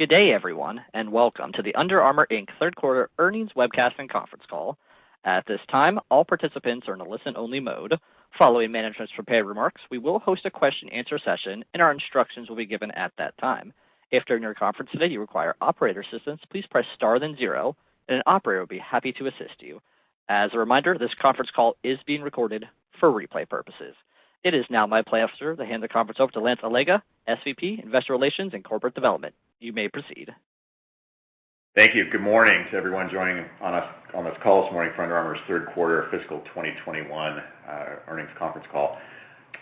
Good day, everyone, and Welcome to The Under Armour, Inc. Q3 Earnings Webcast and Conference Call. At this time, all participants are in a listen-only mode. Following management's prepared remarks, we will host a Q&A session, and our instructions will be given at that time. If during our conference today you require operator assistance, please press star then zero, and an operator will be happy to assist you. As a reminder, this conference call is being recorded for replay purposes. It is now my pleasure to hand the conference over to Lance Allega, SVP of Investor Relations and Corporate Development. You may proceed. Thank you. Good morning to everyone joining on this call this morning for Under Armour's Q3 Fiscal 2021 Earnings Conference Call.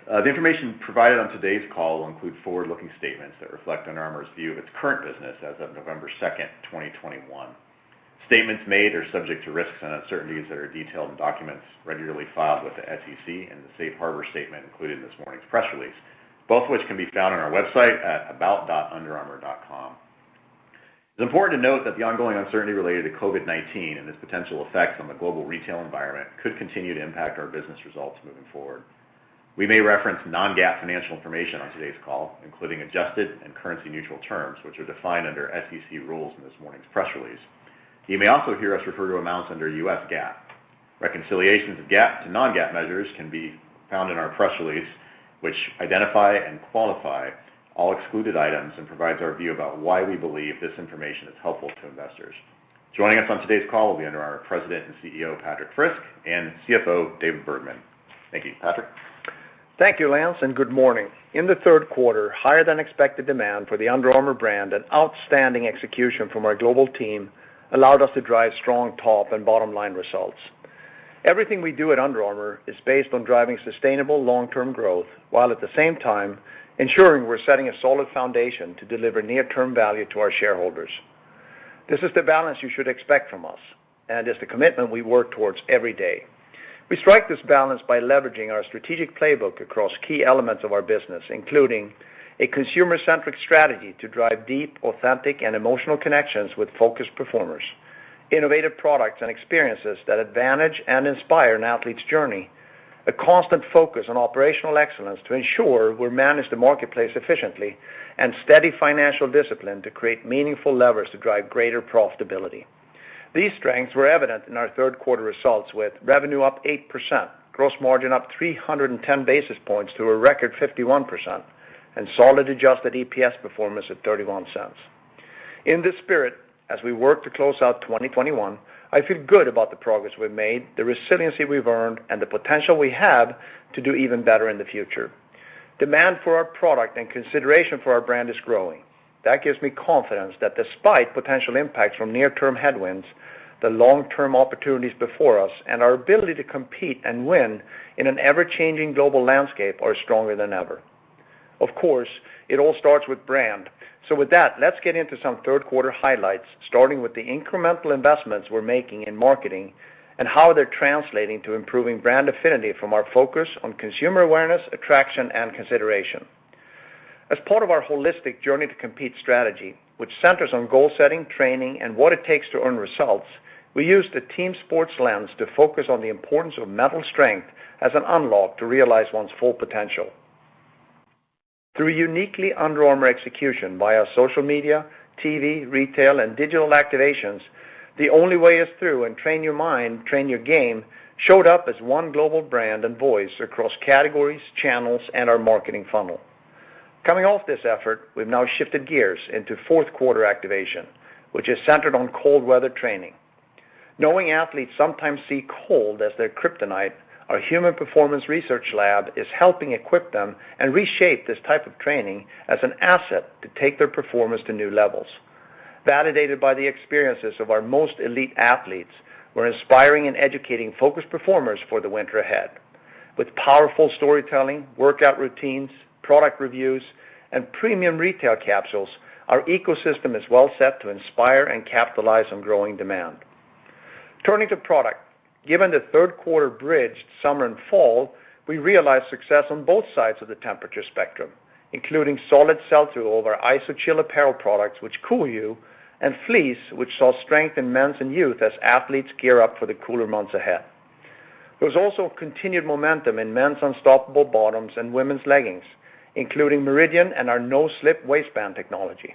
The information provided on today's call will include forward-looking statements that reflect Under Armour's view of its current business as of November 2, 2021. Statements made are subject to risks and uncertainties that are detailed in documents regularly filed with the SEC and the safe harbor statement included in this morning's press release, both of which can be found on our website at about.underarmour.com. It's important to note that the ongoing uncertainty related to COVID-19 and its potential effects on the global retail environment could continue to impact our business results moving forward. We may reference non-GAAP financial information on today's call, including adjusted and currency-neutral terms, which are defined under SEC rules in this morning's press release. You may also hear us refer to amounts under U.S. GAAP. Reconciliations of GAAP to non-GAAP measures can be found in our press release, which identify and qualify all excluded items and provides our view about why we believe this information is helpful to investors. Joining us on today's call will be Under Armour President and CEO, Patrik Frisk, and CFO, David Bergman. Thank you. Patrik? Thank you, Lance, and good morning. In the Q3, higher than expected demand for the Under Armour brand and outstanding execution from our global team allowed us to drive strong top and bottom-line results. Everything we do at Under Armour is based on driving sustainable long-term growth, while at the same time ensuring we're setting a solid foundation to deliver near-term value to our shareholders. This is the balance you should expect from us and is the commitment we work towards every day. We strike this balance by leveraging our strategic playbook across key elements of our business, including a consumer-centric strategy to drive deep, authentic and emotional connections with focused performers, innovative products and experiences that advantage and inspire an athlete's journey, a constant focus on operational excellence to ensure we manage the marketplace efficiently, and steady financial discipline to create meaningful levers to drive greater profitability. These strengths were evident in our Q3 results, with revenue up 8%, gross margin up 310 basis points to a record 51% and solid adjusted EPS performance at $0.31. In this spirit, as we work to close out 2021, I feel good about the progress we've made, the resiliency we've earned, and the potential we have to do even better in the future. Demand for our product and consideration for our brand is growing. That gives me confidence that despite potential impacts from near-term headwinds, the long-term opportunities before us and our ability to compete and win in an ever-changing global landscape are stronger than ever. Of course, it all starts with brand. With that, let's get into some Q3 highlights, starting with the incremental investments we're making in marketing and how they're translating to improving brand affinity from our focus on consumer awareness, attraction and consideration. As part of our holistic Journey to Compete strategy, which centers on goal setting, training, and what it takes to earn results, we use the team sports lens to focus on the importance of mental strength as an unlock to realize one's full potential. Through a uniquely Under Armour execution via social media, TV, retail and digital activations, The Only Way Is Through and Train Your Mind, Train Your Game showed up as one global brand and voice across categories, channels, and our marketing funnel. Coming off this effort, we've now shifted gears into Q4 activation, which is centered on cold weather training. Knowing athletes sometimes see cold as their kryptonite, our Human Performance Research lab is helping equip them and reshape this type of training as an asset to take their performance to new levels. Validated by the experiences of our most elite athletes, we're inspiring and educating focused performers for the winter ahead. With powerful storytelling, workout routines, product reviews, and premium retail capsules, our ecosystem is well set to inspire and capitalize on growing demand. Turning to product. Given the Q3 bridged summer and fall, we realized success on both sides of the temperature spectrum, including solid sell-through of our Iso-Chill apparel products, which cool you, and fleece, which saw strength in men's and youth as athletes gear up for the cooler months ahead. There's also continued momentum in men's Unstoppable bottoms and women's leggings, including Meridian and our no-slip waistband technology.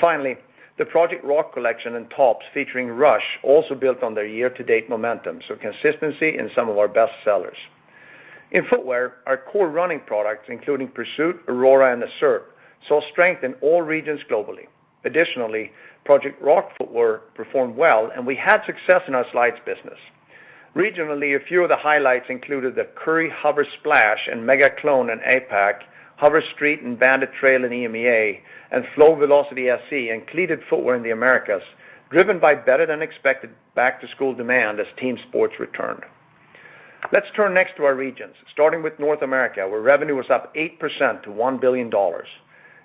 Finally, the Project Rock collection and tops featuring Rush also built on their year-to-date momentum, so consistency in some of our best sellers. In footwear, our core running products, including Pursuit, Aurora, and Assert, saw strength in all regions globally. Additionally, Project Rock footwear performed well, and we had success in our slides business. Regionally, a few of the highlights included the Curry HOVR Splash and HOVR Mega Clone in APAC, HOVR Street and Bandit Trail in EMEA, and Flow Velociti SE and cleated footwear in the Americas, driven by better-than-expected back-to-school demand as team sports returned. Let's turn next to our regions, starting with North America, where revenue was up 8% to $1 billion.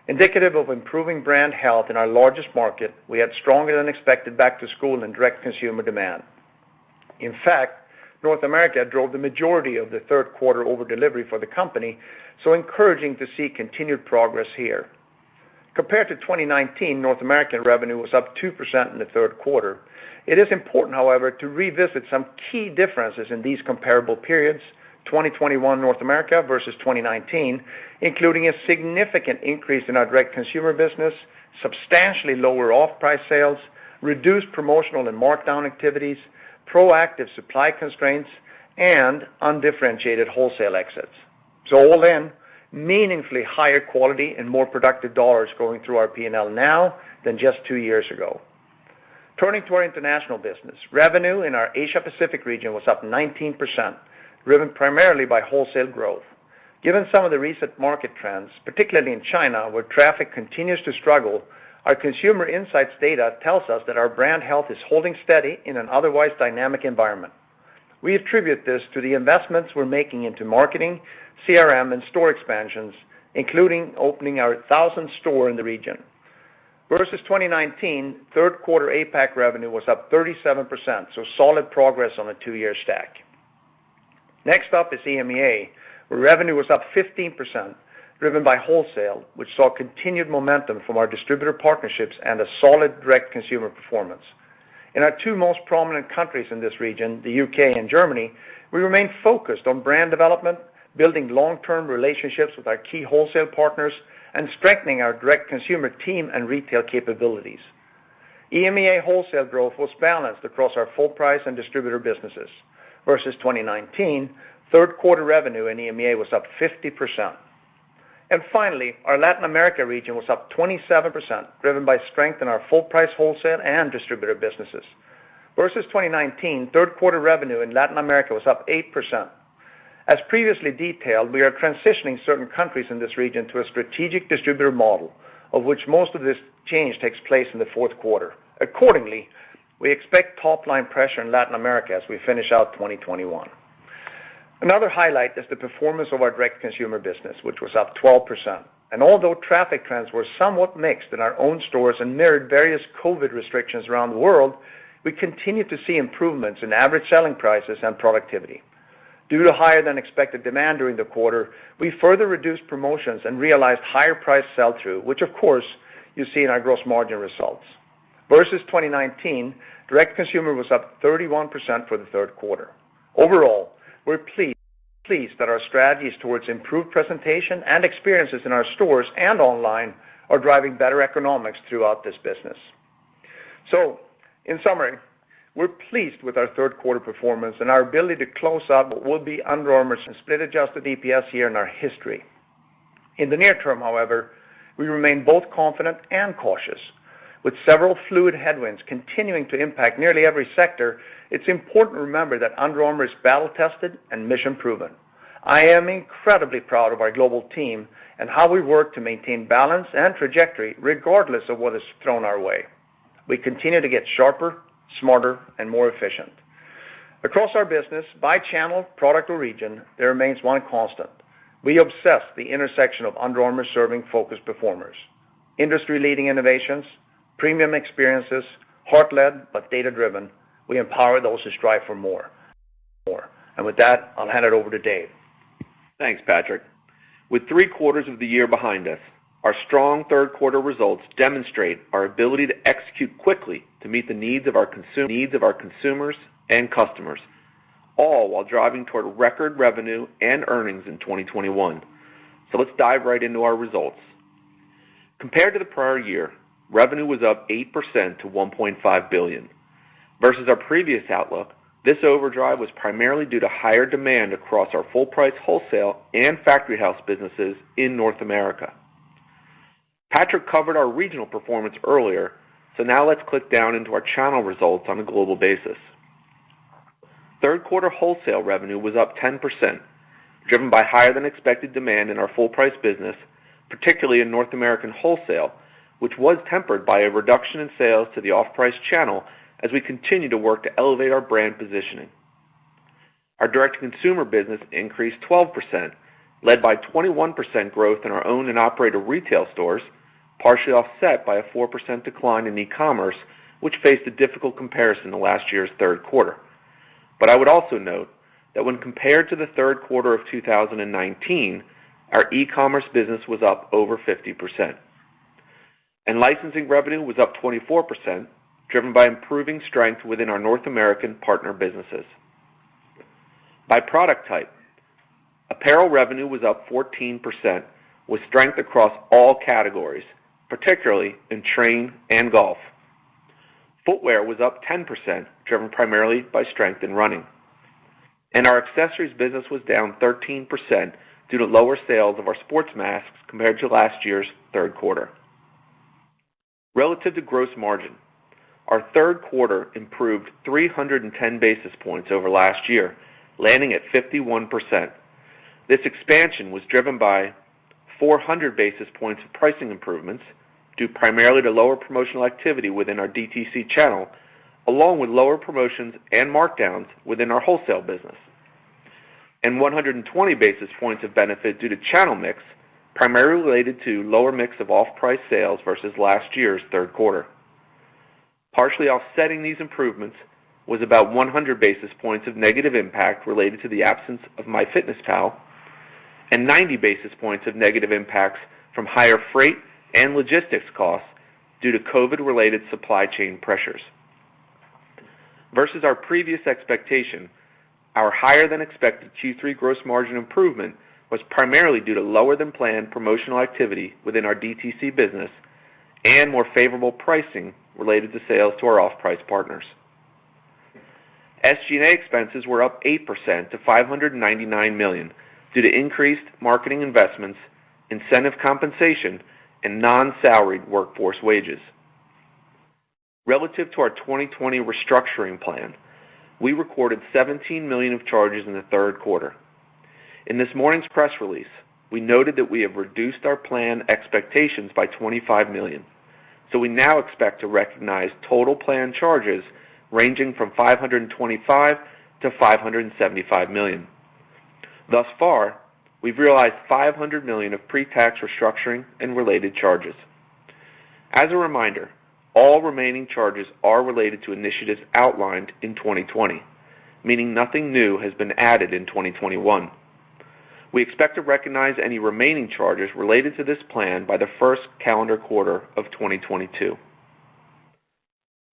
Indicative of improving brand health in our largest market, we had stronger-than-expected back-to-school and direct consumer demand. In fact, North America drove the majority of the Q3 over-delivery for the company, so encouraging to see continued progress here. Compared to 2019, North American revenue was up 2% in the Q3. It is important, however, to revisit some key differences in these comparable periods. 2021 North America versus 2019, including a significant increase in our direct consumer business, substantially lower off-price sales, reduced promotional and markdown activities, proactive supply constraints, and undifferentiated wholesale exits. So all in, meaningfully higher quality and more productive dollars going through our P&L now than just two years ago. Turning to our international business, revenue in our Asia Pacific region was up 19%, driven primarily by wholesale growth. Given some of the recent market trends, particularly in China, where traffic continues to struggle, our consumer insights data tells us that our brand health is holding steady in an otherwise dynamic environment. We attribute this to the investments we're making into marketing, CRM, and store expansions, including opening our 1,000th store in the region. Versus 2019, Q3 APAC revenue was up 37%, so solid progress on a two-year stack. Next up is EMEA, where revenue was up 15%, driven by wholesale, which saw continued momentum from our distributor partnerships and a solid direct consumer performance. In our two most prominent countries in this region, the U.K. and Germany, we remain focused on brand development, building long-term relationships with our key wholesale partners, and strengthening our direct consumer team and retail capabilities. EMEA wholesale growth was balanced across our full-price and distributor businesses. Versus 2019, Q3 revenue in EMEA was up 50%. Finally, our Latin America region was up 27%, driven by strength in our full-price wholesale and distributor businesses. Versus 2019, Q3 revenue in Latin America was up 8%. As previously detailed, we are transitioning certain countries in this region to a strategic distributor model, of which most of this change takes place in the Q4. Accordingly, we expect top-line pressure in Latin America as we finish out 2021. Another highlight is the performance of our direct consumer business, which was up 12%. Although traffic trends were somewhat mixed in our own stores and mirrored various COVID restrictions around the world, we continue to see improvements in average selling prices and productivity. Due to higher-than-expected demand during the quarter, we further reduced promotions and realized higher price sell-through, which of course you see in our gross margin results. Versus 2019, direct consumer was up 31% for the Q3. Overall, we're pleased that our strategies towards improved presentation and experiences in our stores and online are driving better economics throughout this business. So, in summary, we're pleased with our Q3 performance and our ability to close out what will be Under Armour's split adjusted EPS year in our history. In the near term, however, we remain both confident and cautious with several fluid headwinds continuing to impact nearly every sector, it's important to remember that Under Armour is battle-tested and mission-proven. I am incredibly proud of our global team and how we work to maintain balance and trajectory regardless of what is thrown our way. We continue to get sharper, smarter and more efficient. Across our business, by channel, product, or region, there remains one constant. We obsess over the intersection of Under Armour serving focused performers, industry-leading innovations, premium experiences, heart-led but data-driven. We empower those who strive for more. With that, I'll hand it over to David. Thanks, Patrik. With three quarters of the year behind us, our strong Q3 results demonstrate our ability to execute quickly to meet the needs of our consumers and customers, all while driving toward record revenue and earnings in 2021. Let's dive right into our results. Compared to the prior year, revenue was up 8% to $1.5 billion. Versus our previous outlook, this overdrive was primarily due to higher demand across our full-price wholesale and Factory House businesses in North America. Patrik covered our regional performance earlier, now let's drill down into our channel results on a global basis. Q3 wholesale revenue was up 10%, driven by higher-than-expected demand in our full-price business, particularly in North American wholesale, which was tempered by a reduction in sales to the off-price channel as we continue to work to elevate our brand positioning. Our direct-to-consumer business increased 12%, led by 21% growth in our own and operator retail stores, partially offset by a 4% decline in e-commerce, which faced a difficult comparison to last year's Q3. I would also note that when compared to the Q3 of 2019, our e-commerce business was up over 50%. Licensing revenue was up 24%, driven by improving strength within our North American partner businesses. By product type, apparel revenue was up 14%, with strength across all categories, particularly in training and golf. Footwear was up 10%, driven primarily by strength in running. Our accessories business was down 13% due to lower sales of our sports masks compared to last year's Q3. Relative to gross margin, our Q3 improved 310 basis points over last year, landing at 51%. This expansion was driven by 400 basis points of pricing improvements, due primarily to lower promotional activity within our DTC channel, along with lower promotions and markdowns within our wholesale business, and 120 basis points of benefit due to channel mix, primarily related to lower mix of off-price sales versus last year's Q3. Partially offsetting these improvements was about 100 basis points of negative impact related to the absence of MyFitnessPal and 90 basis points of negative impacts from higher freight and logistics costs due to COVID-related supply chain pressures. Versus our previous expectation, our higher than expected Q3 gross margin improvement was primarily due to lower than planned promotional activity within our DTC business and more favorable pricing related to sales to our off-price partners. SG&A expenses were up 8% to $599 million due to increased marketing investments, incentive compensation, and non-salaried workforce wages. Relative to our 2020 restructuring plan, we recorded $17 million of charges in the Q3. In this morning's press release, we noted that we have reduced our plan expectations by $25 million. We now expect to recognize total plan charges ranging from $525 to 575 million. Thus far, we've realized $500 million of pre-tax restructuring and related charges. As a reminder, all remaining charges are related to initiatives outlined in 2020, meaning nothing new has been added in 2021. We expect to recognize any remaining charges related to this plan by the first calendar quarter of 2022.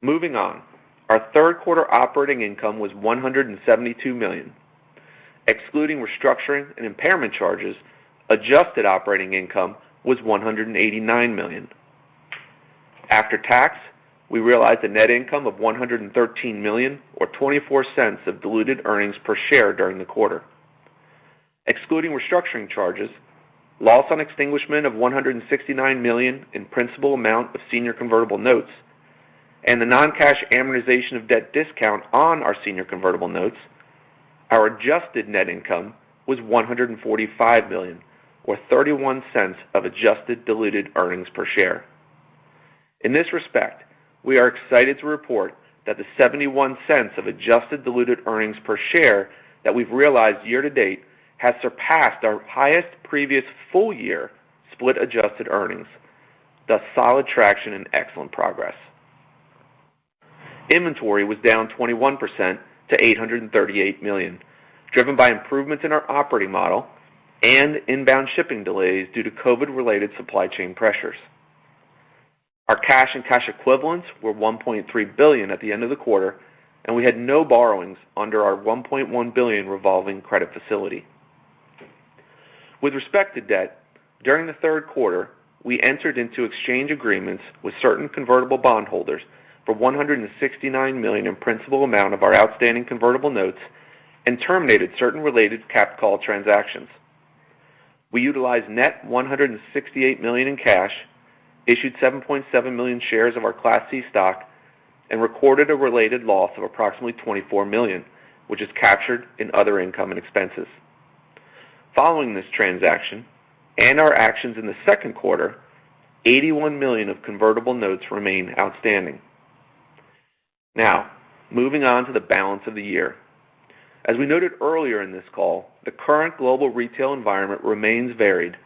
Moving on. Our Q3 operating income was $172 million. Excluding restructuring and impairment charges, adjusted operating income was $189 million. After tax, we realized a net income of $113 million or $0.24 of diluted earnings per share during the quarter. Excluding restructuring charges, loss on extinguishment of $169 million in principal amount of senior convertible notes, and the non-cash amortization of debt discount on our senior convertible notes, our adjusted net income was $145 million or $0.31 of adjusted diluted earnings per share. In this respect, we are excited to report that the $0.71 of adjusted diluted earnings per share that we've realized year to date has surpassed our highest previous full year split adjusted earnings. Thus solid traction and excellent progress. Inventory was down 21% to $838 million, driven by improvements in our operating model and inbound shipping delays due to COVID related supply chain pressures. Our cash and cash equivalents were $1.3 billion at the end of the quarter, and we had no borrowings under our $1.1 billion revolving credit facility. With respect to debt, during the Q3, we entered into exchange agreements with certain convertible bond holders for $169 million in principal amount of our outstanding convertible notes and terminated certain related cap call transactions. We utilized net $168 million in cash, issued 7.7 million shares of our Class C stock, and recorded a related loss of approximately $24 million, which is captured in other income and expenses. Following this transaction and our actions in the Q2, $81 million of convertible notes remain outstanding. Now, moving on to the balance of the year. As we noted earlier in this call, the current global retail environment remains varied,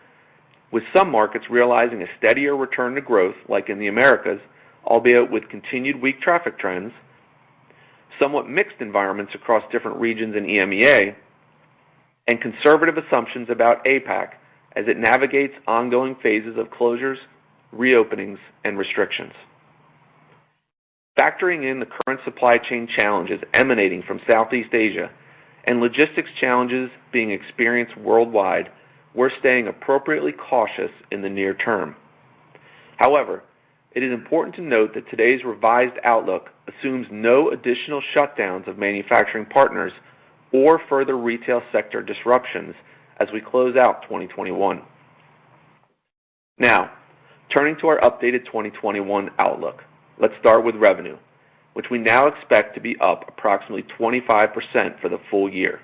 with some markets realizing a steadier return to growth, like in the Americas, albeit with continued weak traffic trends, somewhat mixed environments across different regions in EMEA, and conservative assumptions about APAC as it navigates ongoing phases of closures, reopenings, and restrictions. Factoring in the current supply chain challenges emanating from Southeast Asia and logistics challenges being experienced worldwide, we're staying appropriately cautious in the near term. However, it is important to note that today's revised outlook assumes no additional shutdowns of manufacturing partners or further retail sector disruptions as we close out 2021. Now, turning to our updated 2021 outlook. Let's start with revenue, which we now expect to be up approximately 25% for the full year.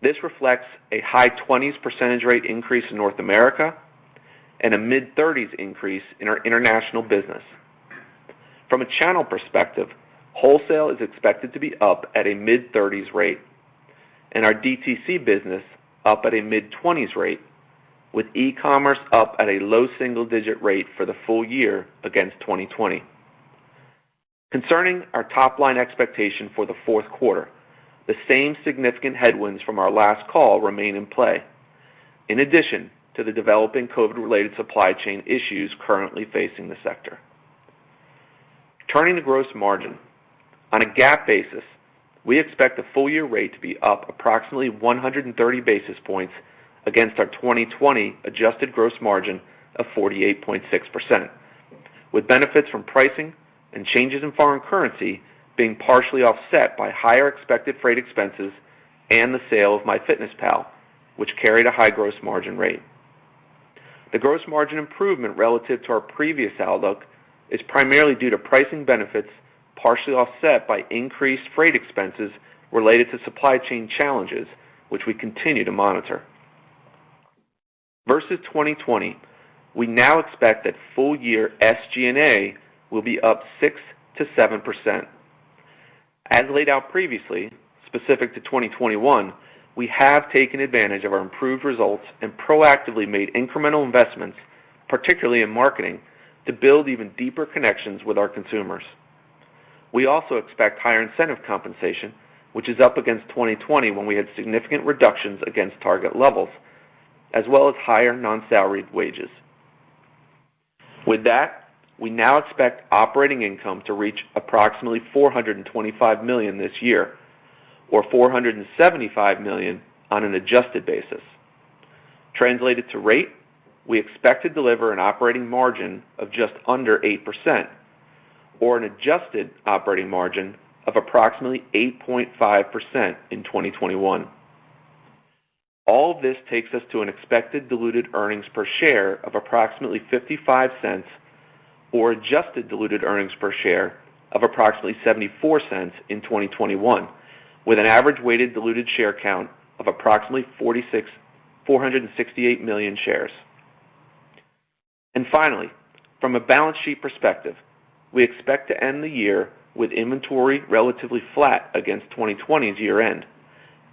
This reflects a high 20s% increase in North America and a mid-30s% increase in our international business. From a channel perspective, wholesale is expected to be up at a mid-30s% rate, and our DTC business up at a mid-20s% rate, with e-commerce up at a low single-digit% rate for the full year against 2020. Concerning our top line expectation for the Q4, the same significant headwinds from our last call remain in play, in addition to the developing COVID-related supply chain issues currently facing the sector. Turning to gross margin. On a GAAP basis, we expect the full year rate to be up approximately 130 basis points against our 2020 adjusted gross margin of 48.6%, with benefits from pricing and changes in foreign currency being partially offset by higher expected freight expenses and the sale of MyFitnessPal, which carried a high gross margin rate. The gross margin improvement relative to our previous outlook is primarily due to pricing benefits, partially offset by increased freight expenses related to supply chain challenges, which we continue to monitor. Versus 2020, we now expect that full year SG&A will be up 6% to 7%. As laid out previously, specific to 2021, we have taken advantage of our improved results and proactively made incremental investments, particularly in marketing, to build even deeper connections with our consumers. We also expect higher incentive compensation, which is up against 2020 when we had significant reductions against target levels, as well as higher non-salaried wages. With that, we now expect operating income to reach approximately $425 million this year or $475 million on an adjusted basis. Translated to rate, we expect to deliver an operating margin of just under 8% or an adjusted operating margin of approximately 8.5% in 2021. All this takes us to an expected diluted earnings per share of approximately $0.55 or adjusted diluted earnings per share of approximately $0.74 in 2021, with an average weighted diluted share count of approximately 468 million shares. Finally, from a balance sheet perspective, we expect to end the year with inventory relatively flat against 2020's year-end,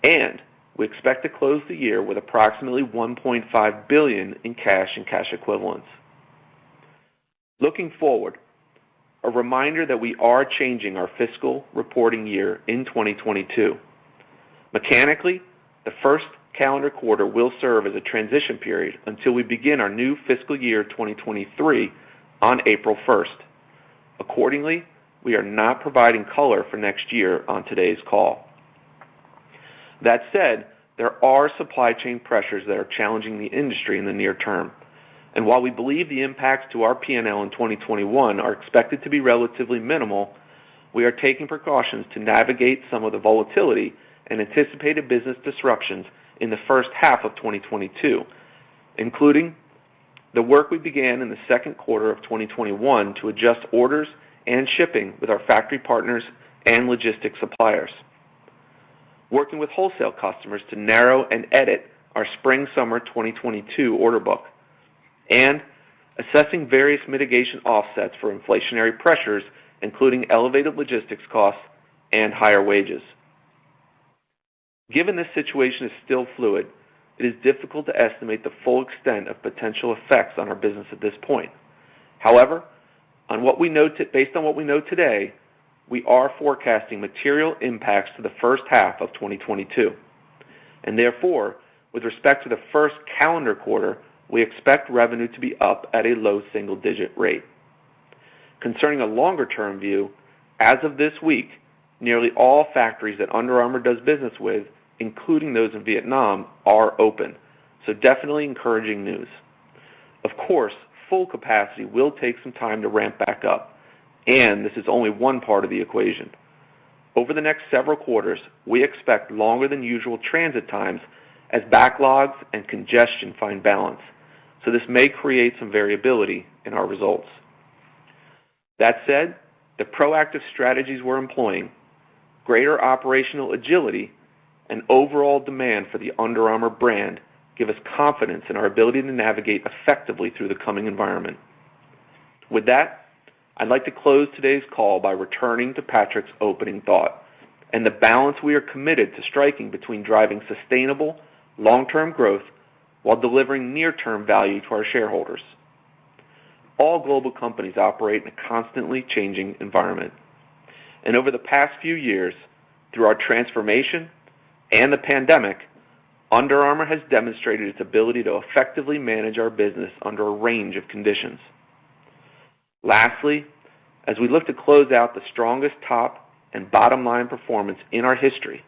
and we expect to close the year with approximately $1.5 billion in cash and cash equivalents. Looking forward, a reminder that we are changing our fiscal reporting year in 2022. Mechanically, the first calendar quarter will serve as a transition period until we begin our new fiscal year, 2023 on April 1st. Accordingly, we are not providing color for next year on today's call. That said, there are supply chain pressures that are challenging the industry in the near term. While we believe the impacts to our P&L in 2021 are expected to be relatively minimal, we are taking precautions to navigate some of the volatility and anticipated business disruptions in the H1 of 2022, including the work we began in the Q2 of 2021 to adjust orders and shipping with our factory partners and logistics suppliers, working with wholesale customers to narrow and edit our spring summer 2022 order book, and assessing various mitigation offsets for inflationary pressures, including elevated logistics costs and higher wages. Given this situation is still fluid, it is difficult to estimate the full extent of potential effects on our business at this point. However, based on what we know today, we are forecasting material impacts to the H1 of 2022, and therefore, with respect to the first calendar quarter, we expect revenue to be up at a low single-digit rate. Concerning a longer-term view, as of this week, nearly all factories that Under Armour does business with, including those in Vietnam, are open. So definitely encouraging news. Of course, full capacity will take some time to ramp back up, and this is only one part of the equation. Over the next several quarters, we expect longer than usual transit times as backlogs and congestion find balance, so this may create some variability in our results. That said, the proactive strategies we're employing, greater operational agility, and overall demand for the Under Armour brand give us confidence in our ability to navigate effectively through the coming environment. With that, I'd like to close today's call by returning to Patrik's opening thought and the balance we are committed to striking between driving sustainable long-term growth while delivering near-term value to our shareholders. All global companies operate in a constantly changing environment, and over the past few years, through our transformation and the pandemic, Under Armour has demonstrated its ability to effectively manage our business under a range of conditions. Lastly, as we look to close out the strongest top and bottom-line performance in our history,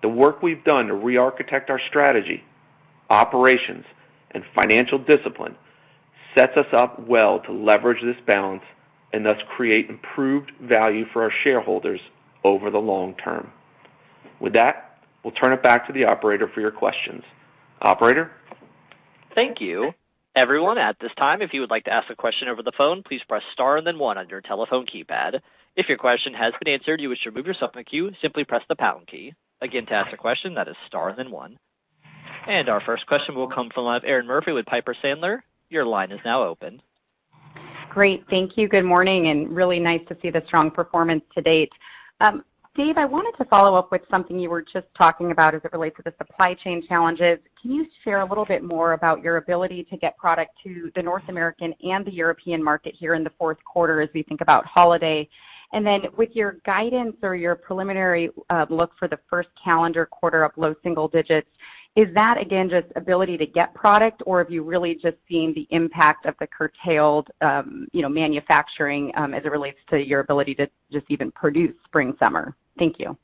the work we've done to re-architect our strategy, operations, and financial discipline sets us up well to leverage this balance and thus create improved value for our shareholders over the long term. With that, we'll turn it back to the operator for your questions. Operator? Thank you. Everyone, at this time, if you would like to ask a question over the phone, please press star and then one on your telephone keypad. If your question has been answered, you wish to remove yourself from the queue, simply press the pound key. Again, to ask a question, that is star and then one. Our first question will come from Erinn Murphy with Piper Sandler. Your line is now open. Great. Thank you. Good morning, and really nice to see the strong performance to date. David, I wanted to follow up with something you were just talking about as it relates to the supply chain challenges. Can you share a little bit more about your ability to get product to the North American and the European market here in the Q4 as we think about holiday? Then with your guidance or your preliminary look for the first calendar quarter of low single digits, is that again, just ability to get product, or have you really just seen the impact of the curtailed manufacturing as it relates to your ability to just even produce spring, summer? Thank you.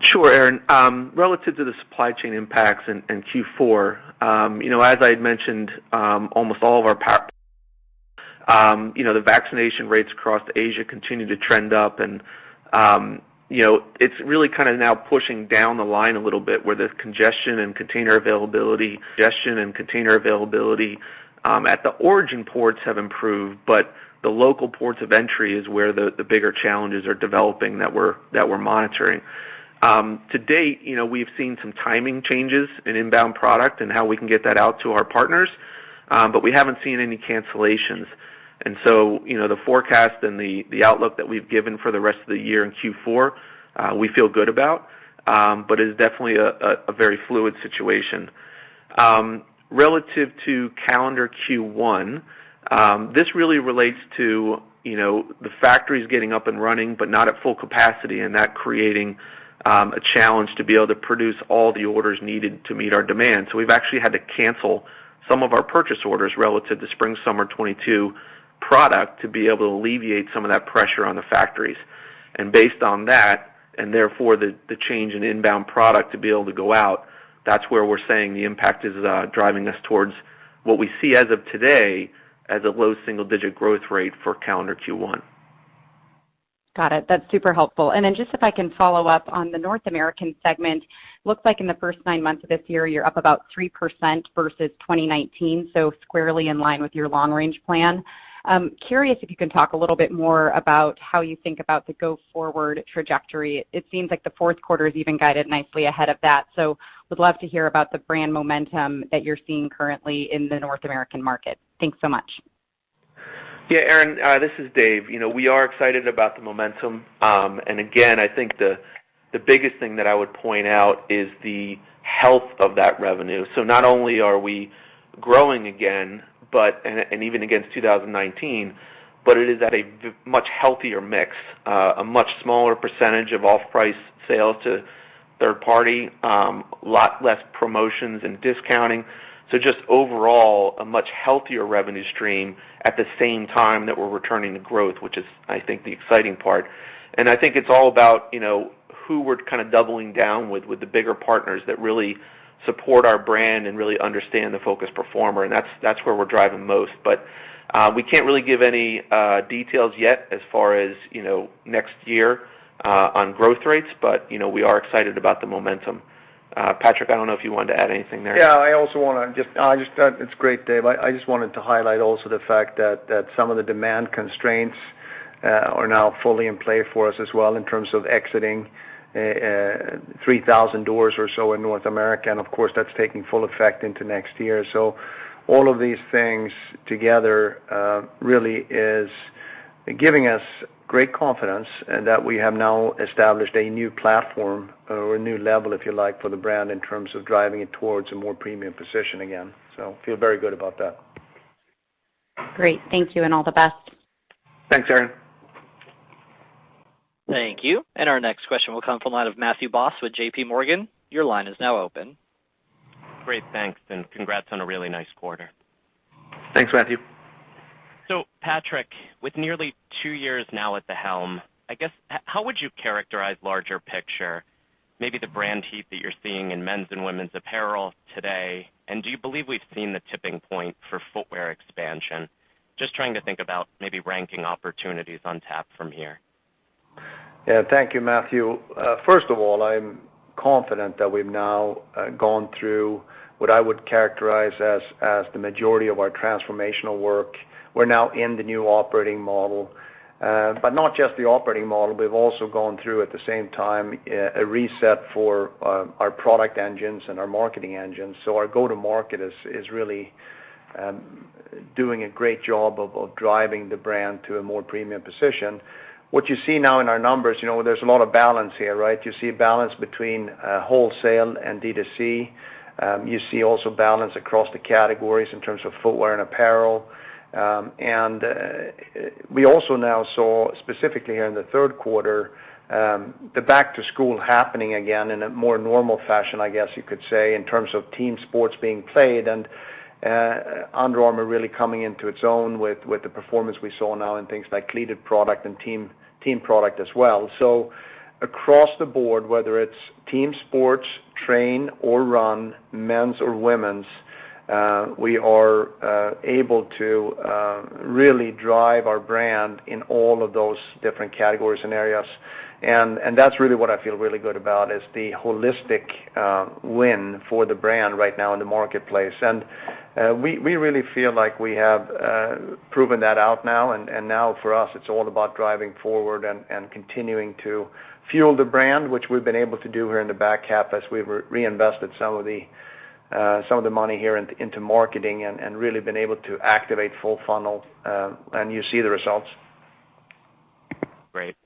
Sure, Erinn. Relative to the supply chain impacts in Q4, you know, as I had mentioned, the vaccination rates across Asia continue to trend up and, you know, it's really kind of now pushing down the line a little bit where the congestion and container availability at the origin ports have improved, but the local ports of entry is where the bigger challenges are developing that we're monitoring. To date, you know, we've seen some timing changes in inbound product and how we can get that out to our partners, but we haven't seen any cancellations. So, you know, the forecast and the outlook that we've given for the rest of the year in Q4, we feel good about, but it is definitely a very fluid situation. Relative to calendar Q1, this really relates to, you know, the factories getting up and running, but not at full capacity, and that creating a challenge to be able to produce all the orders needed to meet our demand. We've actually had to cancel some of our purchase orders relative to spring, summer 2022 product to be able to alleviate some of that pressure on the factories. Based on that, therefore, the change in inbound product to be able to go out, that's where we're saying the impact is, driving us towards what we see as of today as a low single-digit growth rate for calendar Q1. Got it. That's super helpful. Just if I can follow up on the North American segment. Looks like in the first nine months of this year, you're up about 3% versus 2019, so squarely in line with your long range plan. Curious if you can talk a little bit more about how you think about the go-forward trajectory. It seems like the Q4 is even guided nicely ahead of that. Would love to hear about the brand momentum that you're seeing currently in the North American market. Thanks so much. Yeah, Erinn, this is David. You know, we are excited about the momentum. Again, I think the biggest thing that I would point out is the health of that revenue. Not only are we growing again, but even against 2019, it is at a much healthier mix, a much smaller percentage of off-price sales to third party, a lot less promotions and discounting. Just overall, a much healthier revenue stream at the same time that we're returning to growth, which is, I think, the exciting part. I think it's all about, you know, who we're kind of doubling down with the bigger partners that really support our brand and really understand the focus performer. That's where we're driving most. We can't really give any details yet as far as, you know, next year, on growth rates, but, you know, we are excited about the momentum. Patrik, I don't know if you wanted to add anything there. It's great, David. I just wanted to highlight also the fact that some of the demand constraints are now fully in play for us as well in terms of exiting 3,000 doors or so in North America. Of course, that's taking full effect into next year. All of these things together really is giving us great confidence, and that we have now established a new platform or a new level, if you like, for the brand in terms of driving it towards a more premium position again. I feel very good about that. Great. Thank you and all the best. Thanks, Erinn. Thank you. Our next question will come from the line of Matthew Boss with JPMorgan Chase. Your line is now open. Great. Thanks and congrats on a really nice quarter. Thanks, Matthew. Patrik, with nearly two years now at the helm, I guess, how would you characterize the larger picture, maybe the brand heat that you're seeing in men's and women's apparel today? Do you believe we've seen the tipping point for footwear expansion? Just trying to think about maybe ranking opportunities on tap from here. Yeah. Thank you, Matthew. First of all, I'm confident that we've now gone through what I would characterize as the majority of our transformational work. We're now in the new operating model. But not just the operating model, we've also gone through at the same time a reset for our product engines and our marketing engines. Our go-to-market is really doing a great job of driving the brand to a more premium position. What you see now in our numbers, you know, there's a lot of balance here, right? You see a balance between wholesale and D2C. You see also balance across the categories in terms of footwear and apparel. We also now saw specifically here in the Q3, the back to school happening again in a more normal fashion, I guess you could say, in terms of team sports being played, and Under Armour really coming into its own with the performance we saw now in things like cleated product and team product as well. Across the board, whether it's team sports, train or run, men's or women's, we are able to really drive our brand in all of those different categories and areas. That's really what I feel really good about, is the holistic win for the brand right now in the marketplace. We really feel like we have proven that out now. Now for us, it's all about driving forward and continuing to fuel the brand, which we've been able to do here in the back half as we reinvested some of the money here into marketing and really been able to activate full funnel, and you see the results. Great.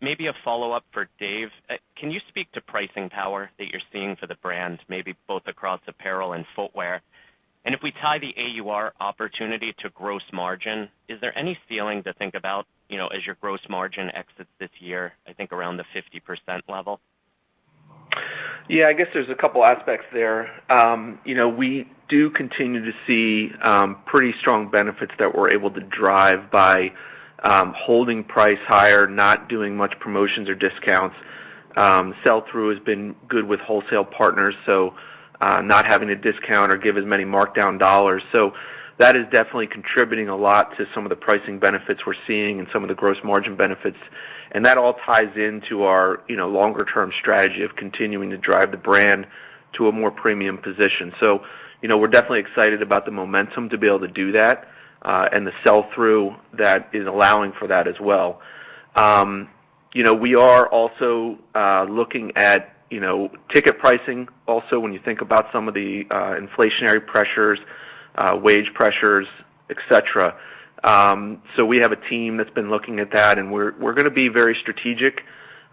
Maybe a follow-up for David. Can you speak to pricing power that you're seeing for the brand, maybe both across apparel and footwear? If we tie the AUR opportunity to gross margin, is there any ceiling to think about, you know, as your gross margin exits this year, I think around the 50% level? Yeah. I guess there's a couple aspects there. You know, we do continue to see pretty strong benefits that we're able to drive by holding price higher, not doing much promotions or discounts. Sell-through has been good with wholesale partners, so not having to discount or give as many markdown dollars. That is definitely contributing a lot to some of the pricing benefits we're seeing and some of the gross margin benefits. That all ties into our you know, longer term strategy of continuing to drive the brand to a more premium position. You know, we're definitely excited about the momentum to be able to do that and the sell-through that is allowing for that as well. You know, we are also looking at, you know, ticket pricing also when you think about some of the inflationary pressures, wage pressures, et cetera. We have a team that's been looking at that, and we're gonna be very strategic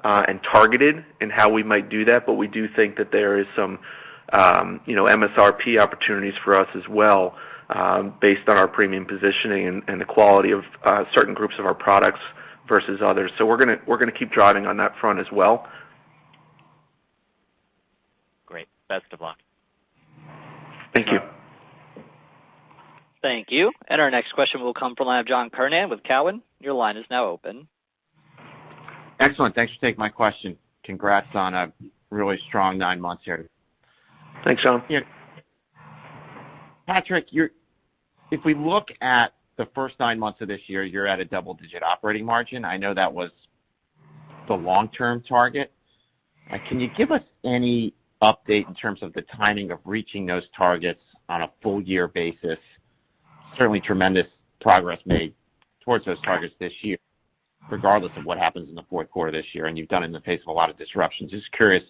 and targeted in how we might do that, but we do think that there is some, you know, MSRP opportunities for us as well, based on our premium positioning and the quality of certain groups of our products versus others. We're gonna keep driving on that front as well. Great. Best of luck. Thank you. Thank you. Our next question will come from the line of John Kernan with Cowen. Your line is now open. Excellent. Thanks for taking my question. Congrats on a really strong nine months here. Thanks, John. Patrik, if we look at the first nine months of this year, you're at a double-digit operating margin. I know that was the long-term target. Can you give us any update in terms of the timing of reaching those targets on a full year basis? Certainly tremendous progress made towards those targets this year, regardless of what happens in the Q4 this year, and you've done it in the face of a lot of disruptions. Just curious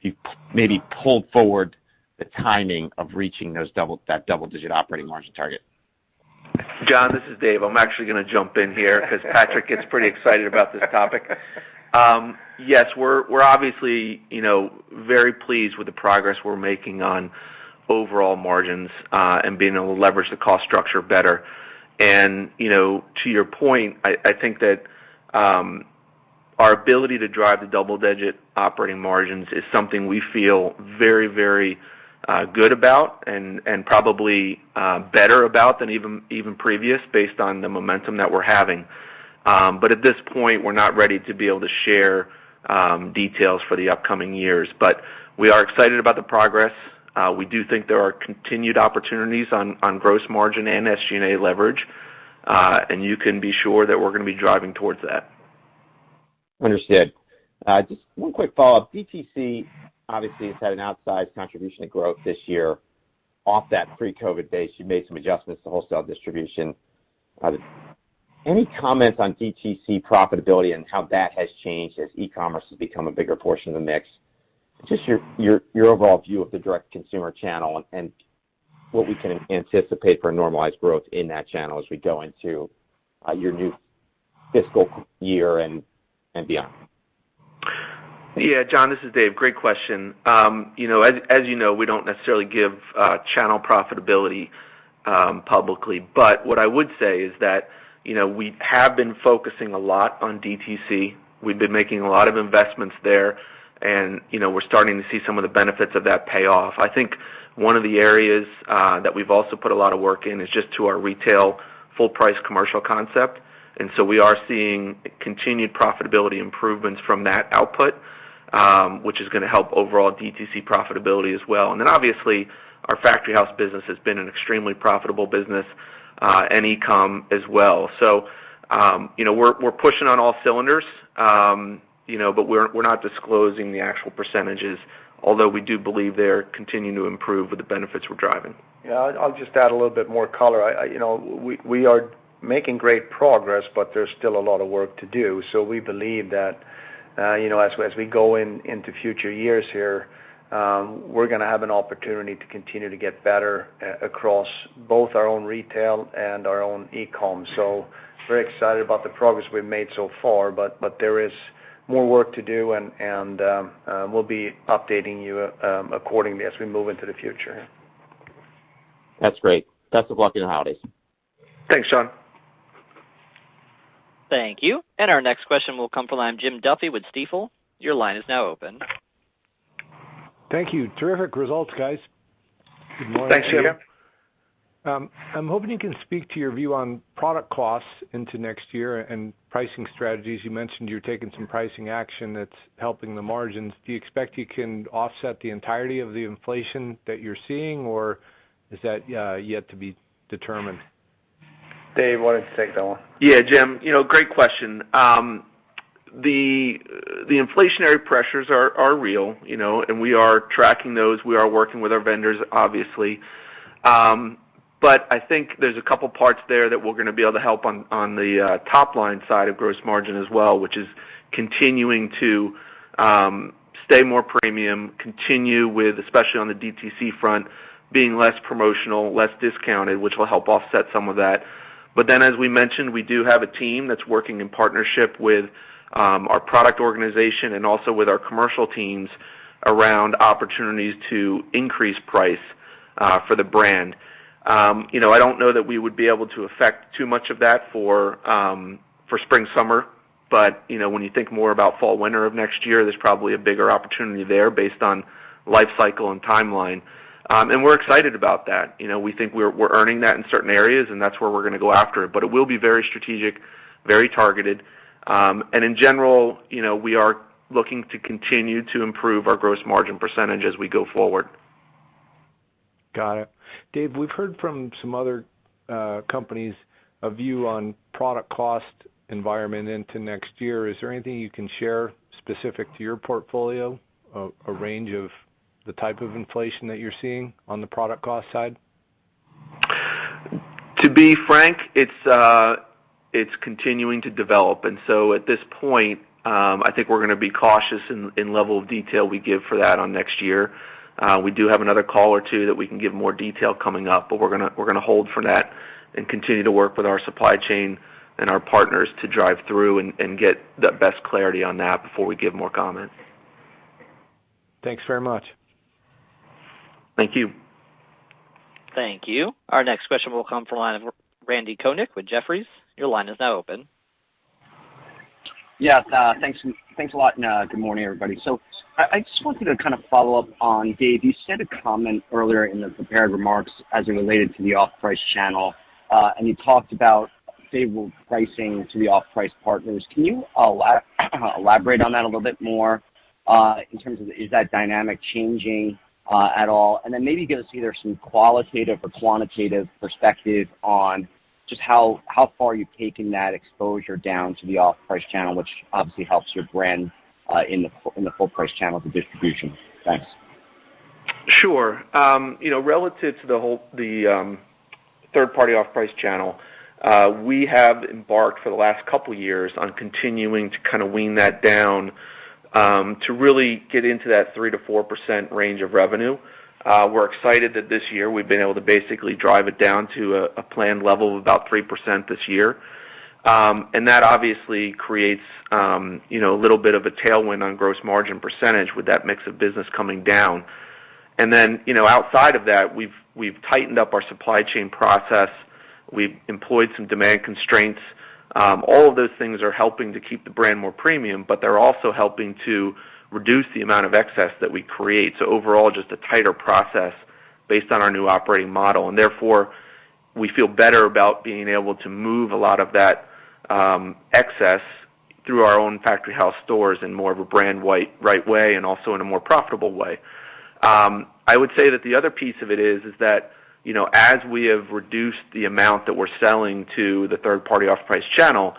if you've maybe pulled forward the timing of reaching that double-digit operating margin target. John, this is David. I'm actually gonna jump in here 'cause Patrik gets pretty excited about this topic. Yes, we're obviously, you know, very pleased with the progress we're making on overall margins and being able to leverage the cost structure better. You know, to your point, I think that our ability to drive the double-digit operating margins is something we feel very good about and probably better about than even previous based on the momentum that we're having. At this point, we're not ready to be able to share details for the upcoming years. We are excited about the progress. We do think there are continued opportunities on gross margin and SG&A leverage. You can be sure that we're gonna be driving towards that. Understood. Just one quick follow-up. DTC obviously has had an outsized contribution to growth this year. Off that pre-COVID base, you made some adjustments to wholesale distribution. Any comments on DTC profitability and how that has changed as e-commerce has become a bigger portion of the mix? Just your overall view of the direct consumer channel and what we can anticipate for normalized growth in that channel as we go into your new fiscal year and beyond. Yeah. John, this is David. Great question. You know, as you know, we don't necessarily give channel profitability publicly. What I would say is that, you know, we have been focusing a lot on DTC. We've been making a lot of investments there, and, you know, we're starting to see some of the benefits of that pay off. I think one of the areas that we've also put a lot of work in is just to our retail full price commercial concept. We are seeing continued profitability improvements from that output, which is gonna help overall DTC profitability as well. Obviously, our Factory House business has been an extremely profitable business, and e-com as well. You know, we're pushing on all cylinders, you know, but we're not disclosing the actual percentages, although we do believe they're continuing to improve with the benefits we're driving. Yeah. I'll just add a little bit more color. You know, we are making great progress, but there's still a lot of work to do. We believe that, you know, as we go into future years here, we're gonna have an opportunity to continue to get better across both our own retail and our own e-com. Very excited about the progress we've made so far, but there is more work to do and we'll be updating you accordingly as we move into the future. That's great. Best of luck in the holidays. Thanks, John. Thank you. Our next question will come from the line of Jim Duffy with Stifel. Your line is now open. Thank you. Terrific results, guys. Good morning. Thanks, Jim. I'm hoping you can speak to your view on product costs into next year and pricing strategies. You mentioned you're taking some pricing action that's helping the margins. Do you expect you can offset the entirety of the inflation that you're seeing, or is that yet to be determined? David, why don't you take that one? Yeah, Jim, you know, great question. The inflationary pressures are real, you know, and we are tracking those. We are working with our vendors, obviously. But I think there's a couple parts there that we're gonna be able to help on the top-line side of gross margin as well, which is continuing to stay more premium, continue with, especially on the DTC front, being less promotional, less discounted, which will help offset some of that. But then as we mentioned, we do have a team that's working in partnership with our product organization and also with our commercial teams around opportunities to increase price for the brand. You know, I don't know that we would be able to affect too much of that for for spring/summer, but you know, when you think more about fall/winter of next year, there's probably a bigger opportunity there based on life cycle and timeline. We're excited about that. You know, we think we're earning that in certain areas, and that's where we're gonna go after it. But it will be very strategic, very targeted. In general, you know, we are looking to continue to improve our gross margin percentage as we go forward. Got it. David, we've heard from some other companies a view on product cost environment into next year. Is there anything you can share specific to your portfolio, a range of the type of inflation that you're seeing on the product cost side? To be frank, it's continuing to develop. At this point, I think we're gonna be cautious in level of detail we give for that on next year. We do have another call or two that we can give more detail coming up, but we're gonna hold for that and continue to work with our supply chain and our partners to drive through and get the best clarity on that before we give more comment. Thanks very much. Thank you. Thank you. Our next question will come from the line of Randal Konik with Jefferies. Your line is now open. Yeah. Thanks a lot, and good morning, everybody. I just wanted to kind of follow up on David. You said a comment earlier in the prepared remarks as it related to the off-price channel, and you talked about favorable pricing to the off-price partners. Can you elaborate on that a little bit more, in terms of is that dynamic changing at all? And then maybe give us either some qualitative or quantitative perspective on just how far you've taken that exposure down to the off-price channel, which obviously helps your brand in the full price channel for distribution. Thanks. Sure. You know, relative to the whole third party off-price channel, we have embarked for the last couple years on continuing to kinda wean that down to really get into that 3% to 4% range of revenue. We're excited that this year we've been able to basically drive it down to a planned level of about 3% this year. That obviously creates you know, a little bit of a tailwind on gross margin percentage with that mix of business coming down. You know, outside of that, we've tightened up our supply chain process. We've employed some demand constraints. All of those things are helping to keep the brand more premium, but they're also helping to reduce the amount of excess that we create. Overall, just a tighter process based on our new operating model. Therefore, we feel better about being able to move a lot of that, excess through our own Factory House stores in more of a brand right way and also in a more profitable way. I would say that the other piece of it is that, you know, as we have reduced the amount that we're selling to the third party off-price channel,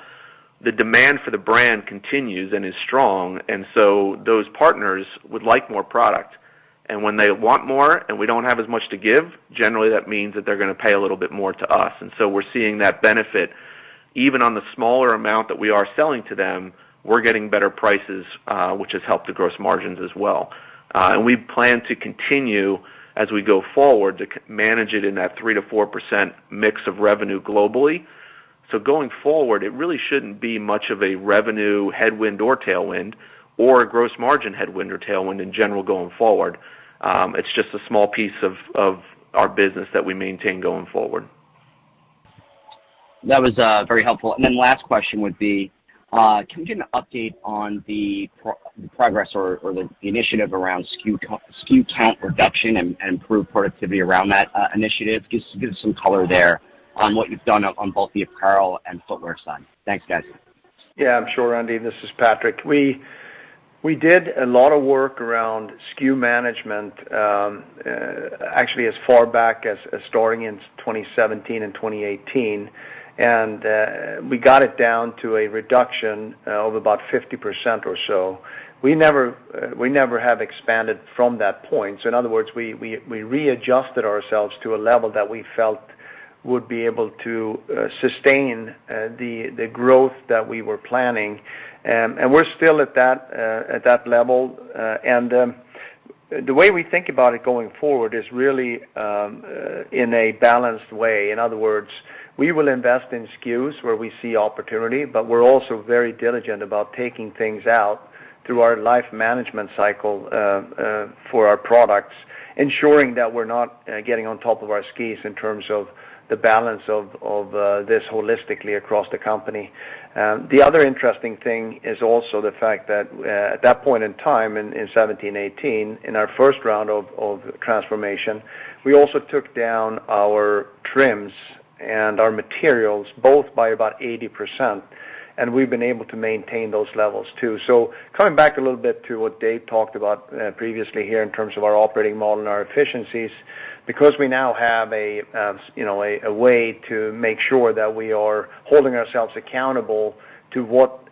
the demand for the brand continues and is strong, and so those partners would like more product. When they want more, and we don't have as much to give, generally that means that they're gonna pay a little bit more to us. So we're seeing that benefit. Even on the smaller amount that we are selling to them, we're getting better prices, which has helped the gross margins as well. We plan to continue as we go forward to manage it in that 3% to 4% mix of revenue globally. Going forward, it really shouldn't be much of a revenue headwind or tailwind or a gross margin headwind or tailwind in general going forward. It's just a small piece of our business that we maintain going forward. That was very helpful. Last question would be, can we get an update on the progress or the initiative around SKU count reduction and improved productivity around that initiative? Give some color there on what you've done on both the apparel and footwear side. Thanks, guys. Yeah, sure, Randal. This is Patrik. We did a lot of work around SKU management, actually as far back as starting in 2017 and 2018. We got it down to a reduction of about 50% or so. We never have expanded from that point. In other words, we readjusted ourselves to a level that we felt would be able to sustain the growth that we were planning. We're still at that level. The way we think about it going forward is really in a balanced way. In other words, we will invest in SKUs where we see opportunity, but we're also very diligent about taking things out through our lifecycle management, for our products, ensuring that we're not getting on top of our SKUs in terms of the balance of this holistically across the company. The other interesting thing is also the fact that at that point in time, in 2017, 2018, in our first round of transformation, we also took down our trims and our materials both by about 80%, and we've been able to maintain those levels too. Coming back a little bit to what Dave talked about previously here in terms of our operating model and our efficiencies, because we now have a way to make sure that we are holding ourselves accountable to what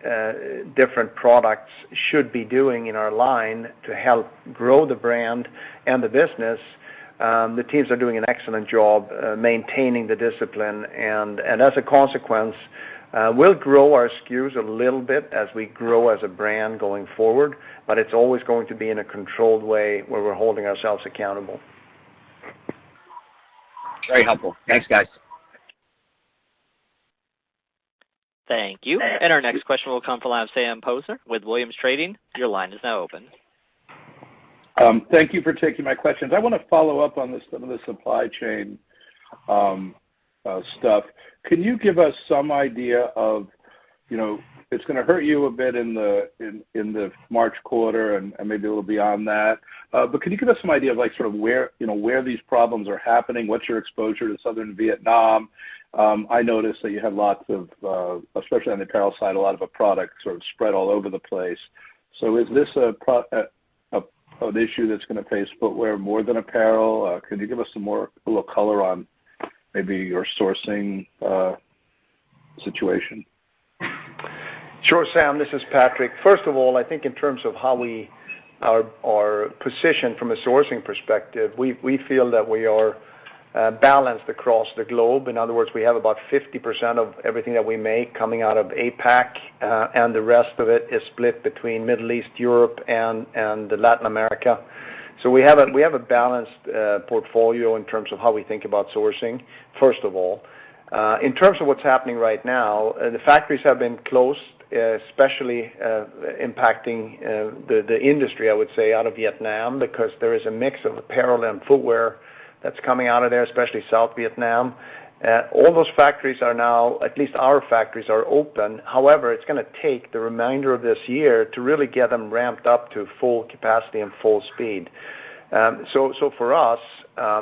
different products should be doing in our line to help grow the brand and the business, the teams are doing an excellent job maintaining the discipline. As a consequence, we'll grow our SKUs a little bit as we grow as a brand going forward, but it's always going to be in a controlled way where we're holding ourselves accountable. Very helpful. Thanks, guys. Thank you. Our next question will come from the line of Sam Poser with Williams Trading. Your line is now open. Thank you for taking my questions. I wanna follow up on some of the supply chain stuff. Can you give us some idea of, you know, it's gonna hurt you a bit in the March quarter and maybe a little beyond that. But can you give us some idea of like sort of where, you know, where these problems are happening? What's your exposure to Southern Vietnam? I noticed that you have lots of, especially on the apparel side, a lot of product sort of spread all over the place. So is this an issue that's gonna face footwear more than apparel? Can you give us a little more color on maybe your sourcing situation? Sure, Sam. This is Patrik. First of all, I think in terms of how we are positioned from a sourcing perspective, we feel that we are balanced across the globe. In other words, we have about 50% of everything that we make coming out of APAC, and the rest of it is split between Middle East, Europe, and Latin America. We have a balanced portfolio in terms of how we think about sourcing, first of all. In terms of what's happening right now, the factories have been closed, especially impacting the industry, I would say, out of Vietnam because there is a mix of apparel and footwear that's coming out of there, especially South Vietnam. All those factories are now. At least our factories are open. However, it's gonna take the remainder of this year to really get them ramped up to full capacity and full speed. For us,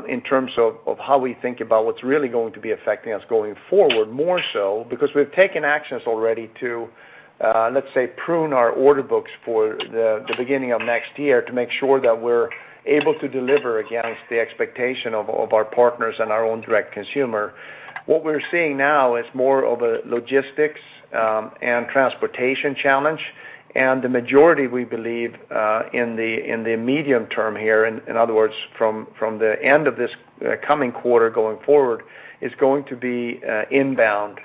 in terms of how we think about what's really going to be affecting us going forward more so because we've taken actions already to, let's say, prune our order books for the beginning of next year to make sure that we're able to deliver against the expectation of our partners and our own direct-to-consumer. What we're seeing now is more of a logistics and transportation challenge. The majority, we believe, in the medium term here, in other words, from the end of this coming quarter going forward, is going to be inbound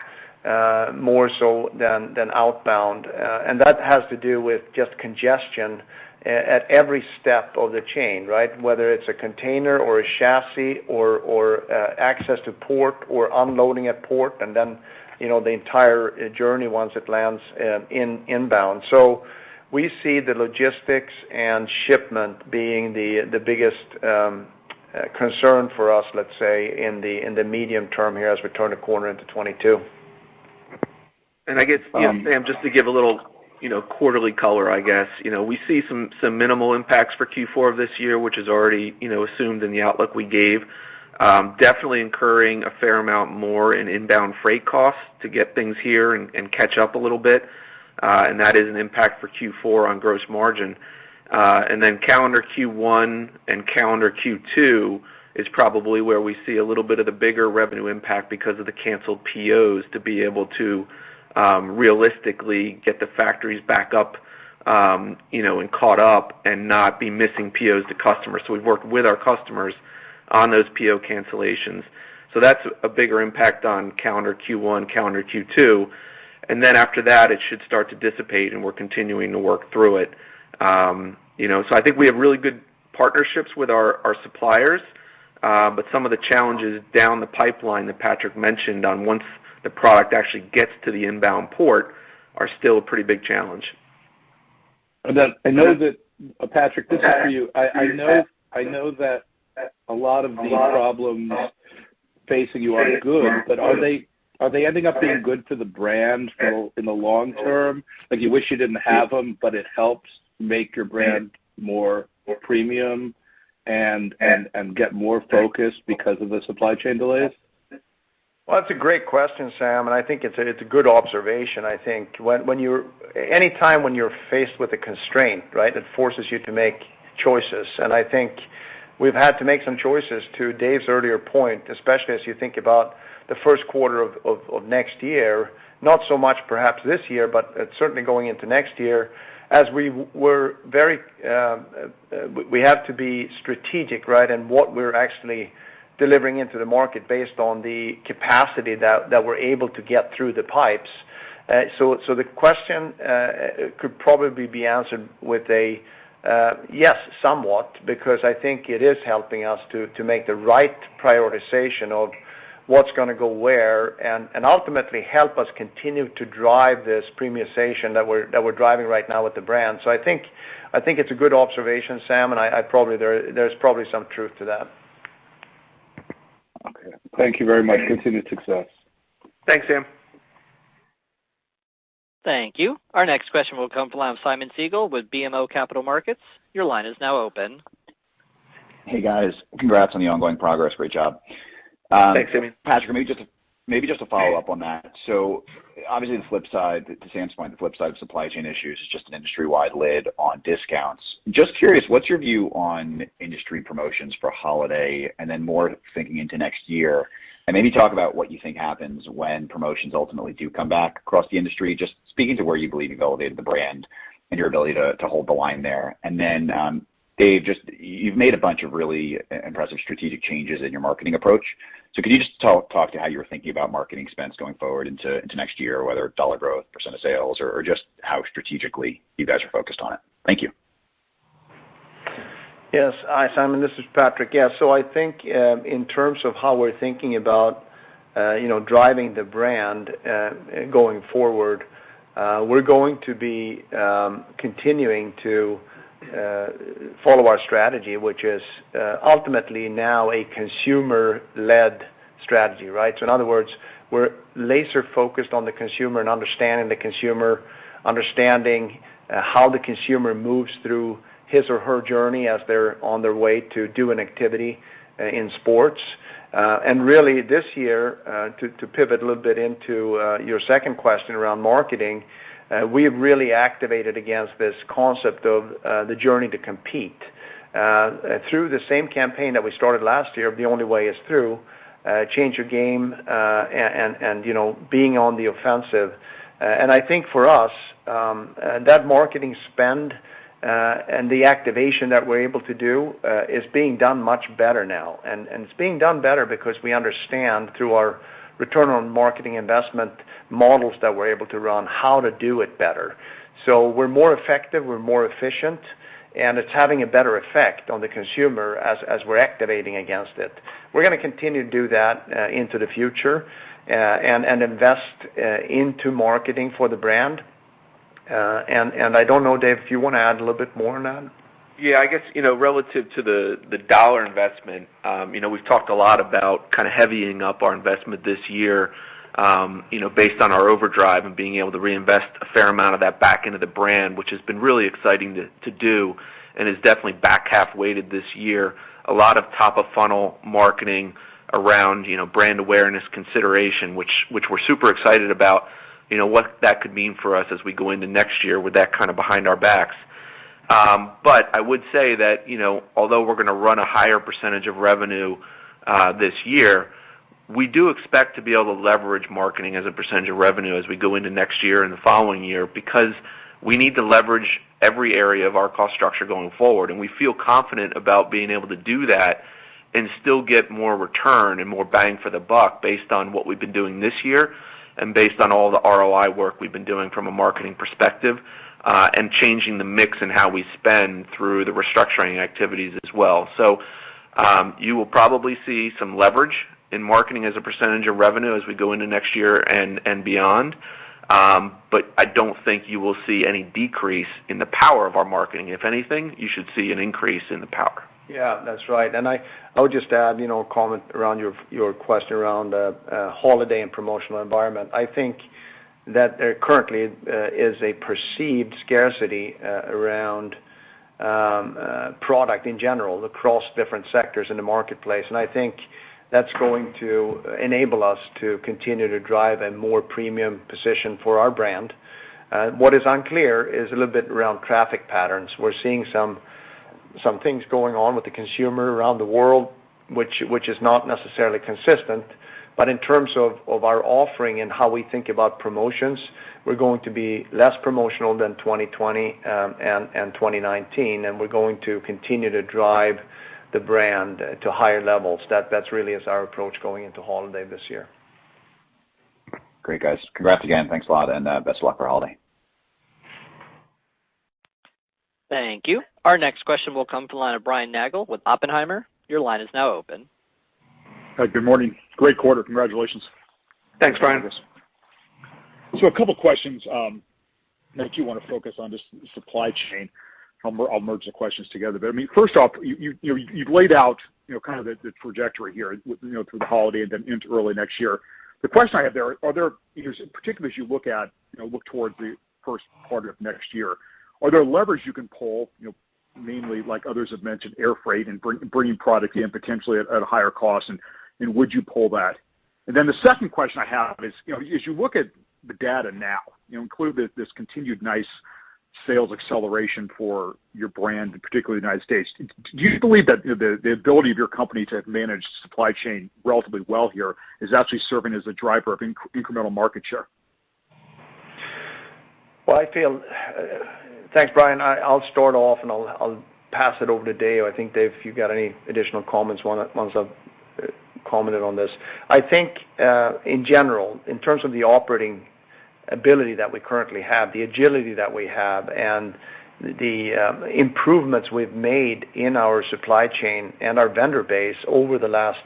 more so than outbound. That has to do with just congestion at every step of the chain, right? Whether it's a container or a chassis or access to port or unloading at port and then, you know, the entire journey once it lands in inbound. We see the logistics and shipment being the biggest concern for us, let's say, in the medium term here as we turn the corner into 2022. I guess, you know, Sam, just to give a little, you know, quarterly color, I guess. You know, we see some minimal impacts for Q4 of this year, which is already, you know, assumed in the outlook we gave. Definitely incurring a fair amount more in inbound freight costs to get things here and catch up a little bit. And that is an impact for Q4 on gross margin. And then calendar Q1 and calendar Q2 is probably where we see a little bit of the bigger revenue impact because of the canceled POs to be able to realistically get the factories back up, you know, and caught up and not be missing POs to customers. So we've worked with our customers on those PO cancellations. So that's a bigger impact on calendar Q1, calendar Q2. After that, it should start to dissipate, and we're continuing to work through it. You know, I think we have really good partnerships with our suppliers, but some of the challenges down the pipeline that Patrik mentioned on once the product actually gets to the inbound port are still a pretty big challenge. I know that, Patrik, this is for you. I know that a lot of these problems facing you are good, but are they ending up being good for the brand for, in the long term? Like, you wish you didn't have them, but it helps make your brand more premium and get more focused because of the supply chain delays. Well, that's a great question, Sam, and I think it's a good observation. I think anytime when you're faced with a constraint, right, it forces you to make choices. I think we've had to make some choices to David's earlier point, especially as you think about the Q1 of next year. Not so much perhaps this year, but certainly going into next year as we have to be strategic, right? In what we're actually delivering into the market based on the capacity that we're able to get through the pipes. The question could probably be answered with a yes, somewhat, because I think it is helping us to make the right prioritization of what's gonna go where and ultimately help us continue to drive this premiumization that we're driving right now with the brand. I think it's a good observation, Sam, and there's probably some truth to that. Okay. Thank you very much. Continued success. Thanks, Sam. Thank you. Our next question will come from Simeon Siegel with BMO Capital Markets. Your line is now open. Hey, guys. Congrats on the ongoing progress. Great job. Thanks, Simeon. Patrik, maybe just a follow-up on that. Obviously, the flip side to Sam's point, the flip side of supply chain issues is just an industry-wide lid on discounts. Just curious, what's your view on industry promotions for holiday? More thinking into next year, and maybe talk about what you think happens when promotions ultimately do come back across the industry. Just speaking to where you believe you validated the brand and your ability to hold the line there. David, just you've made a bunch of really impressive strategic changes in your marketing approach. Could you just talk to how you were thinking about marketing expense going forward into next year, whether dollar growth, % of sales, or just how strategically you guys are focused on it? Thank you. Yes. Hi, Simeon. This is Patrik. I think, in terms of how we're thinking about, you know, driving the brand, going forward, we're going to be continuing to follow our strategy, which is, ultimately now a consumer-led strategy, right? In other words, we're laser focused on the consumer and understanding the consumer, understanding how the consumer moves through his or her journey as they're on their way to do an activity, in sports. Really this year, to pivot a little bit into your second question around marketing, we've really activated against this concept of the Journey to Compete. Through the same campaign that we started last year, The Only Way Is Through, change your game, and you know, being on the offensive. I think for us, that marketing spend and the activation that we're able to do is being done much better now. It's being done better because we understand through our return on marketing investment models that we're able to run, how to do it better. We're more effective, we're more efficient, and it's having a better effect on the consumer as we're activating against it. We're gonna continue to do that into the future and invest into marketing for the brand. I don't know, David, if you wanna add a little bit more on that. Yeah, I guess, you know, relative to the dollar investment, you know, we've talked a lot about kinda heavying up our investment this year, you know, based on our overdrive and being able to reinvest a fair amount of that back into the brand, which has been really exciting to do and is definitely back-half weighted this year. A lot of top-of-funnel marketing around, you know, brand awareness consideration, which we're super excited about, you know, what that could mean for us as we go into next year with that kind of behind our backs. I would say that, you know, although we're gonna run a higher percentage of revenue this year, we do expect to be able to leverage marketing as a percentage of revenue as we go into next year and the following year because we need to leverage every area of our cost structure going forward. We feel confident about being able to do that and still get more return and more bang for the buck based on what we've been doing this year and based on all the ROI work we've been doing from a marketing perspective and changing the mix and how we spend through the restructuring activities as well. You will probably see some leverage in marketing as a percentage of revenue as we go into next year and beyond. I don't think you will see any decrease in the power of our marketing. If anything, you should see an increase in the power. Yeah, that's right. I would just add, you know, a comment around your question around holiday and promotional environment. I think that there currently is a perceived scarcity around product in general across different sectors in the marketplace. I think that's going to enable us to continue to drive a more premium position for our brand. What is unclear is a little bit around traffic patterns. We're seeing some things going on with the consumer around the world, which is not necessarily consistent. In terms of our offering and how we think about promotions, we're going to be less promotional than 2020 and 2019, and we're going to continue to drive the brand to higher levels. That's really our approach going into holiday this year. Great, guys. Congrats again. Thanks a lot, and best of luck for holiday. Thank you. Our next question will come from the line of Brian Nagel with Oppenheimer. Your line is now open. Hi, good morning. Great quarter. Congratulations. Thanks, Brian. Thanks. A couple questions, and if you wanna focus on just the supply chain, I'll merge the questions together. I mean, first off, you know, you've laid out, you know, kind of the trajectory here with, you know, through the holiday and then into early next year. The question I have there, are there, you know, particularly as you look at, you know, look towards the first part of next year, are there levers you can pull, you know, mainly like others have mentioned, air freight and bringing product in potentially at a higher cost, and would you pull that? The second question I have is, you know, as you look at the data now, you know, including this continued nice sales acceleration for your brand, and particularly U.S., do you believe that the ability of your company to manage supply chain relatively well here is actually serving as a driver of incremental market share? Thanks, Brian. I'll start off, and I'll pass it over to David. I think, David, if you've got any additional comments, why don't I comment on this. I think, in general, in terms of the operating ability that we currently have, the agility that we have, and the improvements we've made in our supply chain and our vendor base over the last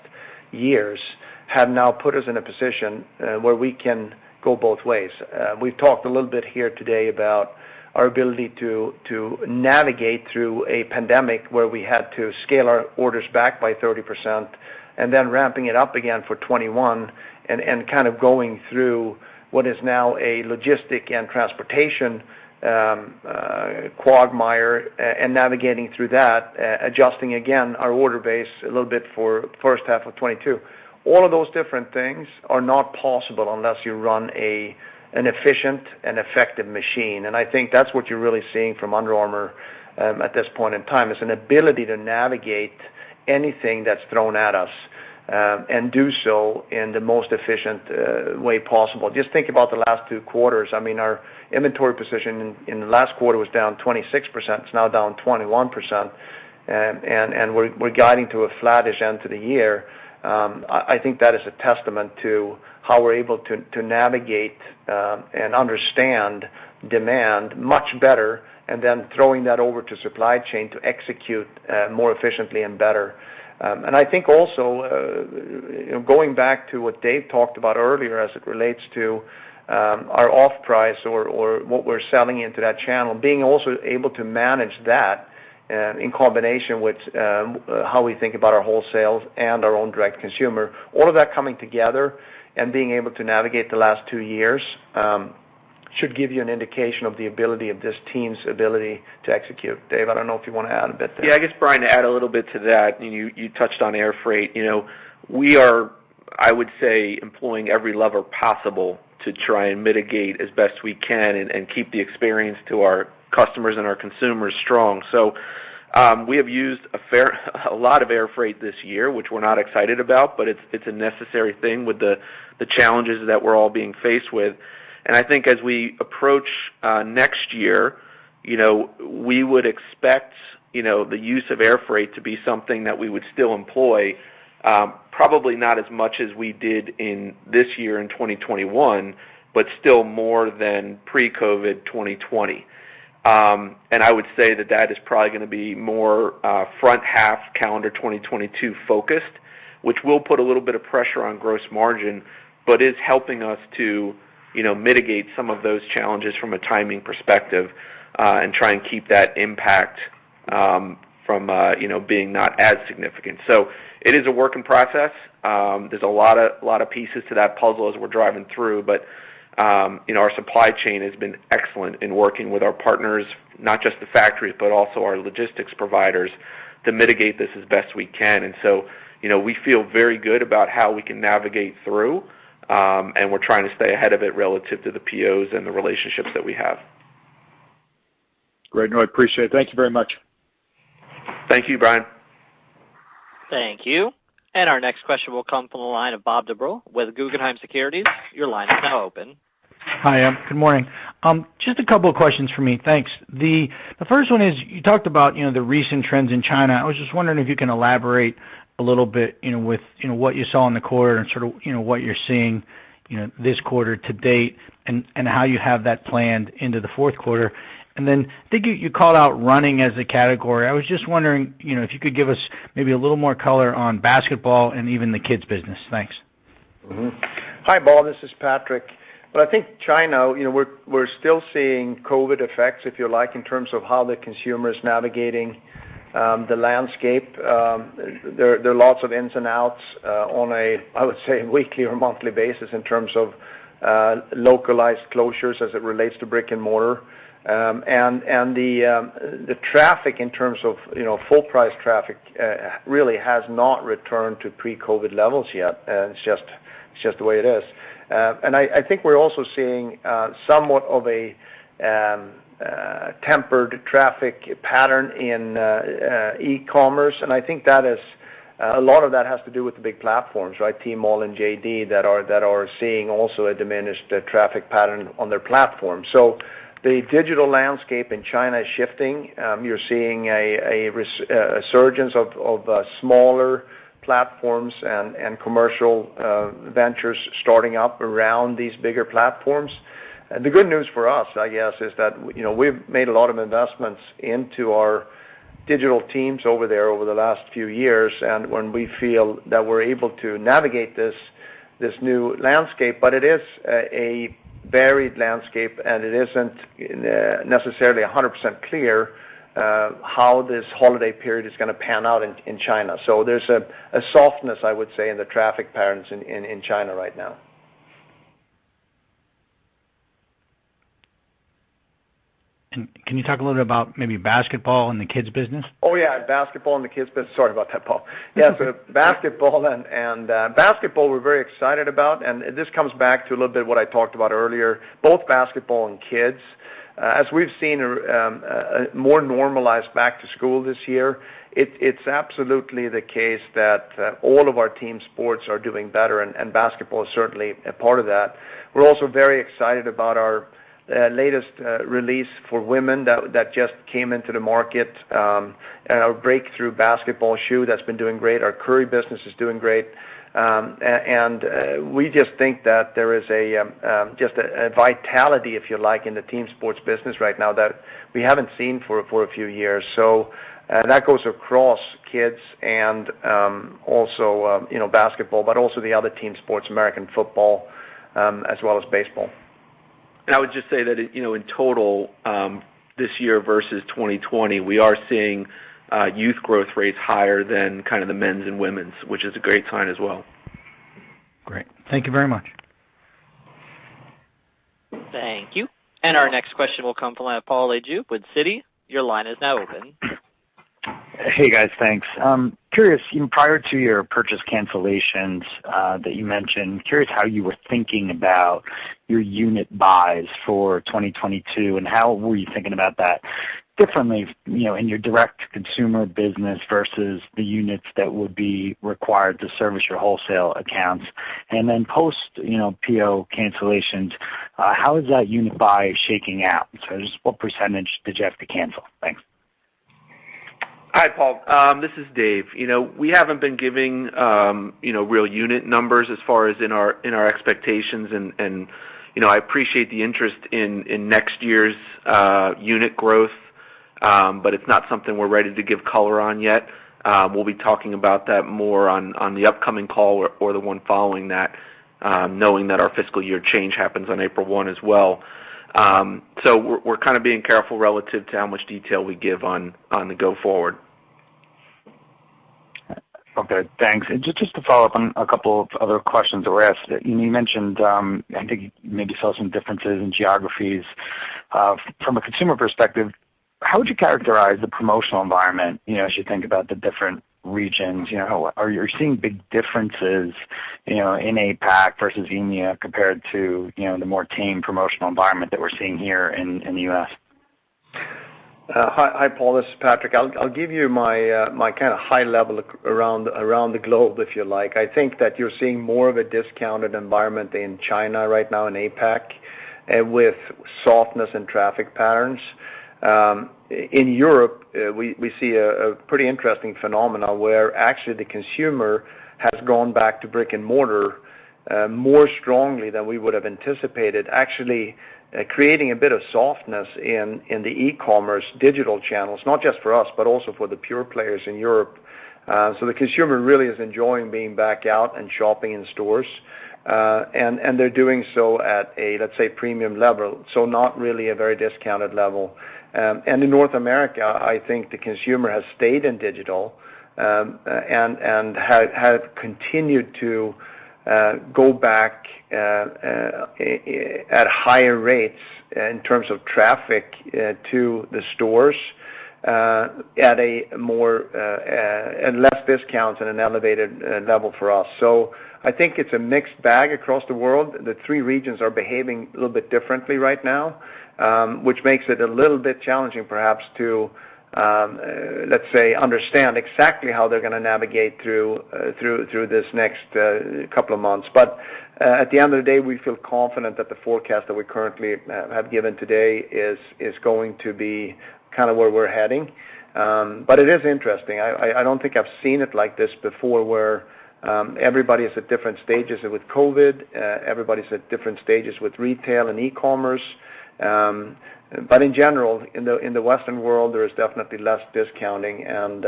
years have now put us in a position where we can go both ways. We've talked a little bit here today about our ability to navigate through a pandemic where we had to scale our orders back by 30% and then ramping it up again for 2021 and kind of going through what is now a logistics and transportation quagmire and navigating through that, adjusting again our order base a little bit for first half of 2022. All of those different things are not possible unless you run an efficient and effective machine, and I think that's what you're really seeing from Under Armour at this point in time. It's an ability to navigate anything that's thrown at us and do so in the most efficient way possible. Just think about the last two quarters. I mean, our inventory position in the last quarter was down 26%. It's now down 21%. We're guiding to a flattish end to the year. I think that is a testament to how we're able to navigate and understand demand much better and then throwing that over to supply chain to execute more efficiently and better. I think also, you know, going back to what David talked about earlier as it relates to our off-price or what we're selling into that channel, being also able to manage that in combination with how we think about our wholesale and our own direct consumer. All of that coming together and being able to navigate the last two years should give you an indication of the ability of this team to execute. David, I don't know if you wanna add a bit there. Yeah, I guess, Brian, to add a little bit to that, you touched on air freight. You know, we are, I would say, employing every lever possible to try and mitigate as best we can and keep the experience to our customers and our consumers strong. We have used a fair amount of air freight this year, which we're not excited about, but it's a necessary thing with the challenges that we're all being faced with. I think as we approach next year, you know, we would expect, you know, the use of air freight to be something that we would still employ, probably not as much as we did in this year in 2021, but still more than pre-COVID 2020. I would say that is probably gonna be more front half calendar 2022 focused, which will put a little bit of pressure on gross margin, but is helping us to, you know, mitigate some of those challenges from a timing perspective, and try and keep that impact, you know, from being not as significant. So it is a work in process. There's a lot of pieces to that puzzle as we're driving through. You know, our supply chain has been excellent in working with our partners, not just the factories, but also our logistics providers to mitigate this as best we can. You know, we feel very good about how we can navigate through, and we're trying to stay ahead of it relative to the POs and the relationships that we have. Great. No, I appreciate it. Thank you very much. Thank you, Brian. Thank you. Our next question will come from the line of Bob Drbul with Guggenheim Securities. Your line is now open. Hi, good morning. Just a couple of questions for me. Thanks. The first one is you talked about, you know, the recent trends in China. I was just wondering if you can elaborate a little bit, you know, with, you know, what you saw in the quarter and sort of, you know, what you're seeing, you know, this quarter to date and how you have that planned into the Q4. I think you called out running as a category. I was just wondering, you know, if you could give us maybe a little more color on basketball and even the kids business. Thanks. Mm-hmm. Hi, Bob. This is Patrik. I think China, you know, we're still seeing COVID effects, if you like, in terms of how the consumer is navigating the landscape. There are lots of ins and outs, I would say, weekly or monthly basis in terms of localized closures as it relates to brick and mortar. The traffic in terms of, you know, full price traffic really has not returned to pre-COVID levels yet, and it's just the way it is. I think we're also seeing somewhat of a tempered traffic pattern in e-commerce, and I think that is a lot of that has to do with the big platforms, right? Tmall and JD.com that are also seeing a diminished traffic pattern on their platform. The digital landscape in China is shifting. You're seeing a resurgence of smaller platforms and commercial ventures starting up around these bigger platforms. The good news for us, I guess, is that, you know, we've made a lot of investments into our digital teams over there over the last few years and when we feel that we're able to navigate this new landscape. It is a varied landscape, and it isn't necessarily 100% clear how this holiday period is gonna pan out in China. There's a softness, I would say, in the traffic patterns in China right now. Can you talk a little bit about maybe basketball and the kids business? Oh, yeah. Basketball and the kids business. Sorry about that, Bob. Yeah. Basketball we're very excited about, and this comes back to a little bit what I talked about earlier, both basketball and kids. As we've seen more normalized back to school this year, it's absolutely the case that all of our team sports are doing better, and basketball is certainly a part of that. We're also very excited about our latest release for women that just came into the market, our breakthrough basketball shoe that's been doing great. Our Curry business is doing great. We just think that there is just a vitality, if you like, in the team sports business right now that we haven't seen for a few years. That goes across kids and also, you know, basketball, but also the other team sports, American football, as well as baseball. I would just say that, you know, in total, this year versus 2020, we are seeing youth growth rates higher than kind of the men's and women's, which is a great sign as well. Great. Thank you very much. Thank you. Our next question will come from Paul Lejuez with Citi. Your line is now open. Hey, guys. Thanks. Curious, you know, prior to your purchase cancellations that you mentioned, how were you thinking about your unit buys for 2022, and how were you thinking about that differently, you know, in your direct consumer business versus the units that would be required to service your wholesale accounts? Then post, you know, PO cancellations, how is that unit buy shaking out? Just what percentage did you have to cancel? Thanks. Hi, Paul. This is David. You know, we haven't been giving you know, real unit numbers as far as in our expectations. You know, I appreciate the interest in next year's unit growth, but it's not something we're ready to give color on yet. We'll be talking about that more on the upcoming call or the one following that, knowing that our fiscal year change happens on April 1 as well. We're kind of being careful relative to how much detail we give on the going forward. Okay. Thanks. Just to follow up on a couple of other questions that were asked. You mentioned, I think you maybe saw some differences in geographies. From a consumer perspective, how would you characterize the promotional environment, you know, as you think about the different regions? You know, are you seeing big differences, you know, in APAC versus EMEA compared to, you know, the more tame promotional environment that we're seeing here in the U.S.? Hi, Paul. This is Patrik. I'll give you my kinda high level around the globe, if you like. I think that you're seeing more of a discounted environment in China right now in APAC, with softness in traffic patterns. In Europe, we see a pretty interesting phenomenon where actually the consumer has gone back to brick-and-mortar more strongly than we would have anticipated, actually, creating a bit of softness in the e-commerce digital channels, not just for us, but also for the pure players in Europe. The consumer really is enjoying being back out and shopping in stores. They're doing so at a, let's say, premium level, so not really a very discounted level. In North America, I think the consumer has stayed in digital and have continued to go back at higher rates in terms of traffic to the stores at a more and less discounts and an elevated level for us. I think it's a mixed bag across the world. The three regions are behaving a little bit differently right now, which makes it a little bit challenging perhaps to let's say understand exactly how they're gonna navigate through this next couple of months. At the end of the day, we feel confident that the forecast that we currently have given today is going to be kind of where we're heading. It is interesting. I don't think I've seen it like this before, where everybody is at different stages with COVID, everybody's at different stages with retail and e-commerce. In general, in the Western world, there is definitely less discounting and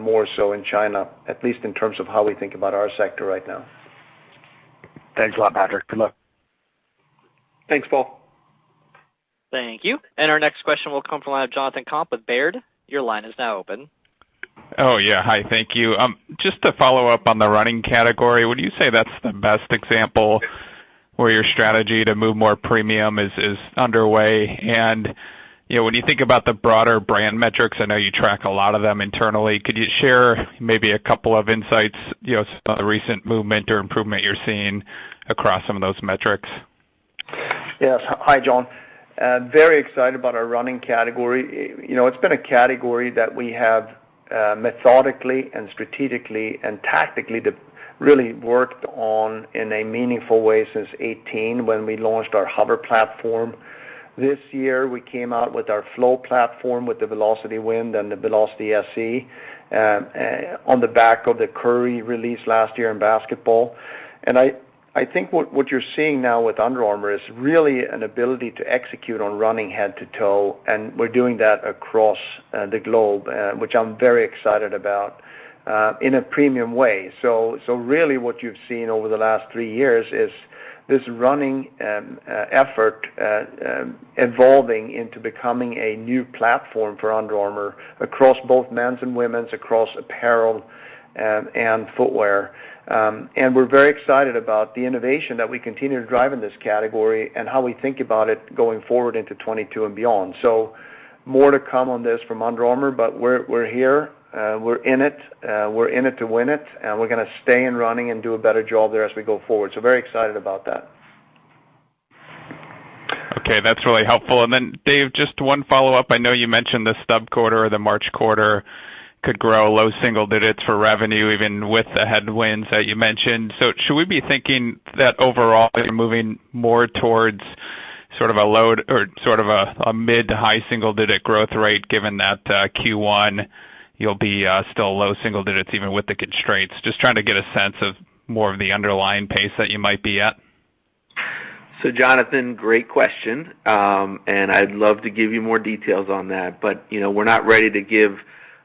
more so in China, at least in terms of how we think about our sector right now. Thanks a lot, Patrik. Good luck. Thanks, Paul. Thank you. Our next question will come from Jonathan Komp with Baird. Your line is now open. Oh, yeah. Hi, thank you. Just to follow up on the running category, would you say that's the best example where your strategy to move more premium is underway? You know, when you think about the broader brand metrics, I know you track a lot of them internally. Could you share maybe a couple of insights, you know, on the recent movement or improvement you're seeing across some of those metrics? Yes. Hi, Jonathan. Very excited about our running category. You know, it's been a category that we have methodically and strategically and tactically really worked on in a meaningful way since 2018 when we launched our HOVR platform. This year, we came out with our Flow platform, with the Velociti Wind and the Velociti SE, on the back of the Curry release last year in basketball. I think what you're seeing now with Under Armour is really an ability to execute on running head to toe, and we're doing that across the globe, which I'm very excited about, in a premium way. Really what you've seen over the last three years is this running effort evolving into becoming a new platform for Under Armour across both men's and women's, across apparel and footwear. We're very excited about the innovation that we continue to drive in this category and how we think about it going forward into 2022 and beyond. More to come on this from Under Armour, but we're here. We're in it. We're in it to win it. We're gonna stay in running and do a better job there as we go forward. Very excited about that. Okay, that's really helpful. David, just one follow-up. I know you mentioned the stub quarter or the March quarter could grow low single digits for revenue, even with the headwinds that you mentioned. Should we be thinking that overall you're moving more towards sort of a low or sort of a mid to high single-digit growth rate given that Q1 you'll be still low single digits even with the constraints? Just trying to get a sense of more of the underlying pace that you might be at. Jonathan, great question. I'd love to give you more details on that. You know, we're not ready to give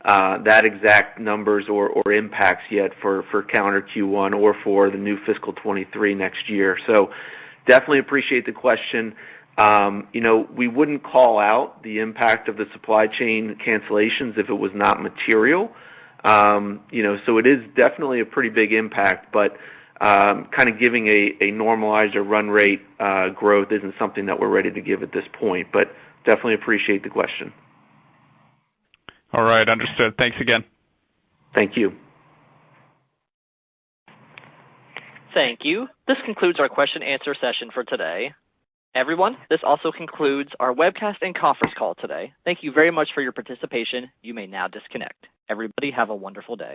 that exact numbers or impacts yet for calendar Q1 or for the new fiscal 2023 next year. Definitely appreciate the question. You know, we wouldn't call out the impact of the supply chain cancellations if it was not material. You know, it is definitely a pretty big impact, but kinda giving a normalized or run rate growth isn't something that we're ready to give at this point, but definitely appreciate the question. All right. Understood. Thanks again. Thank you. Thank you. This concludes our question-answer session for today. Everyone, this also concludes our webcast and conference call today. Thank you very much for your participation. You may now disconnect. Everybody, have a wonderful day.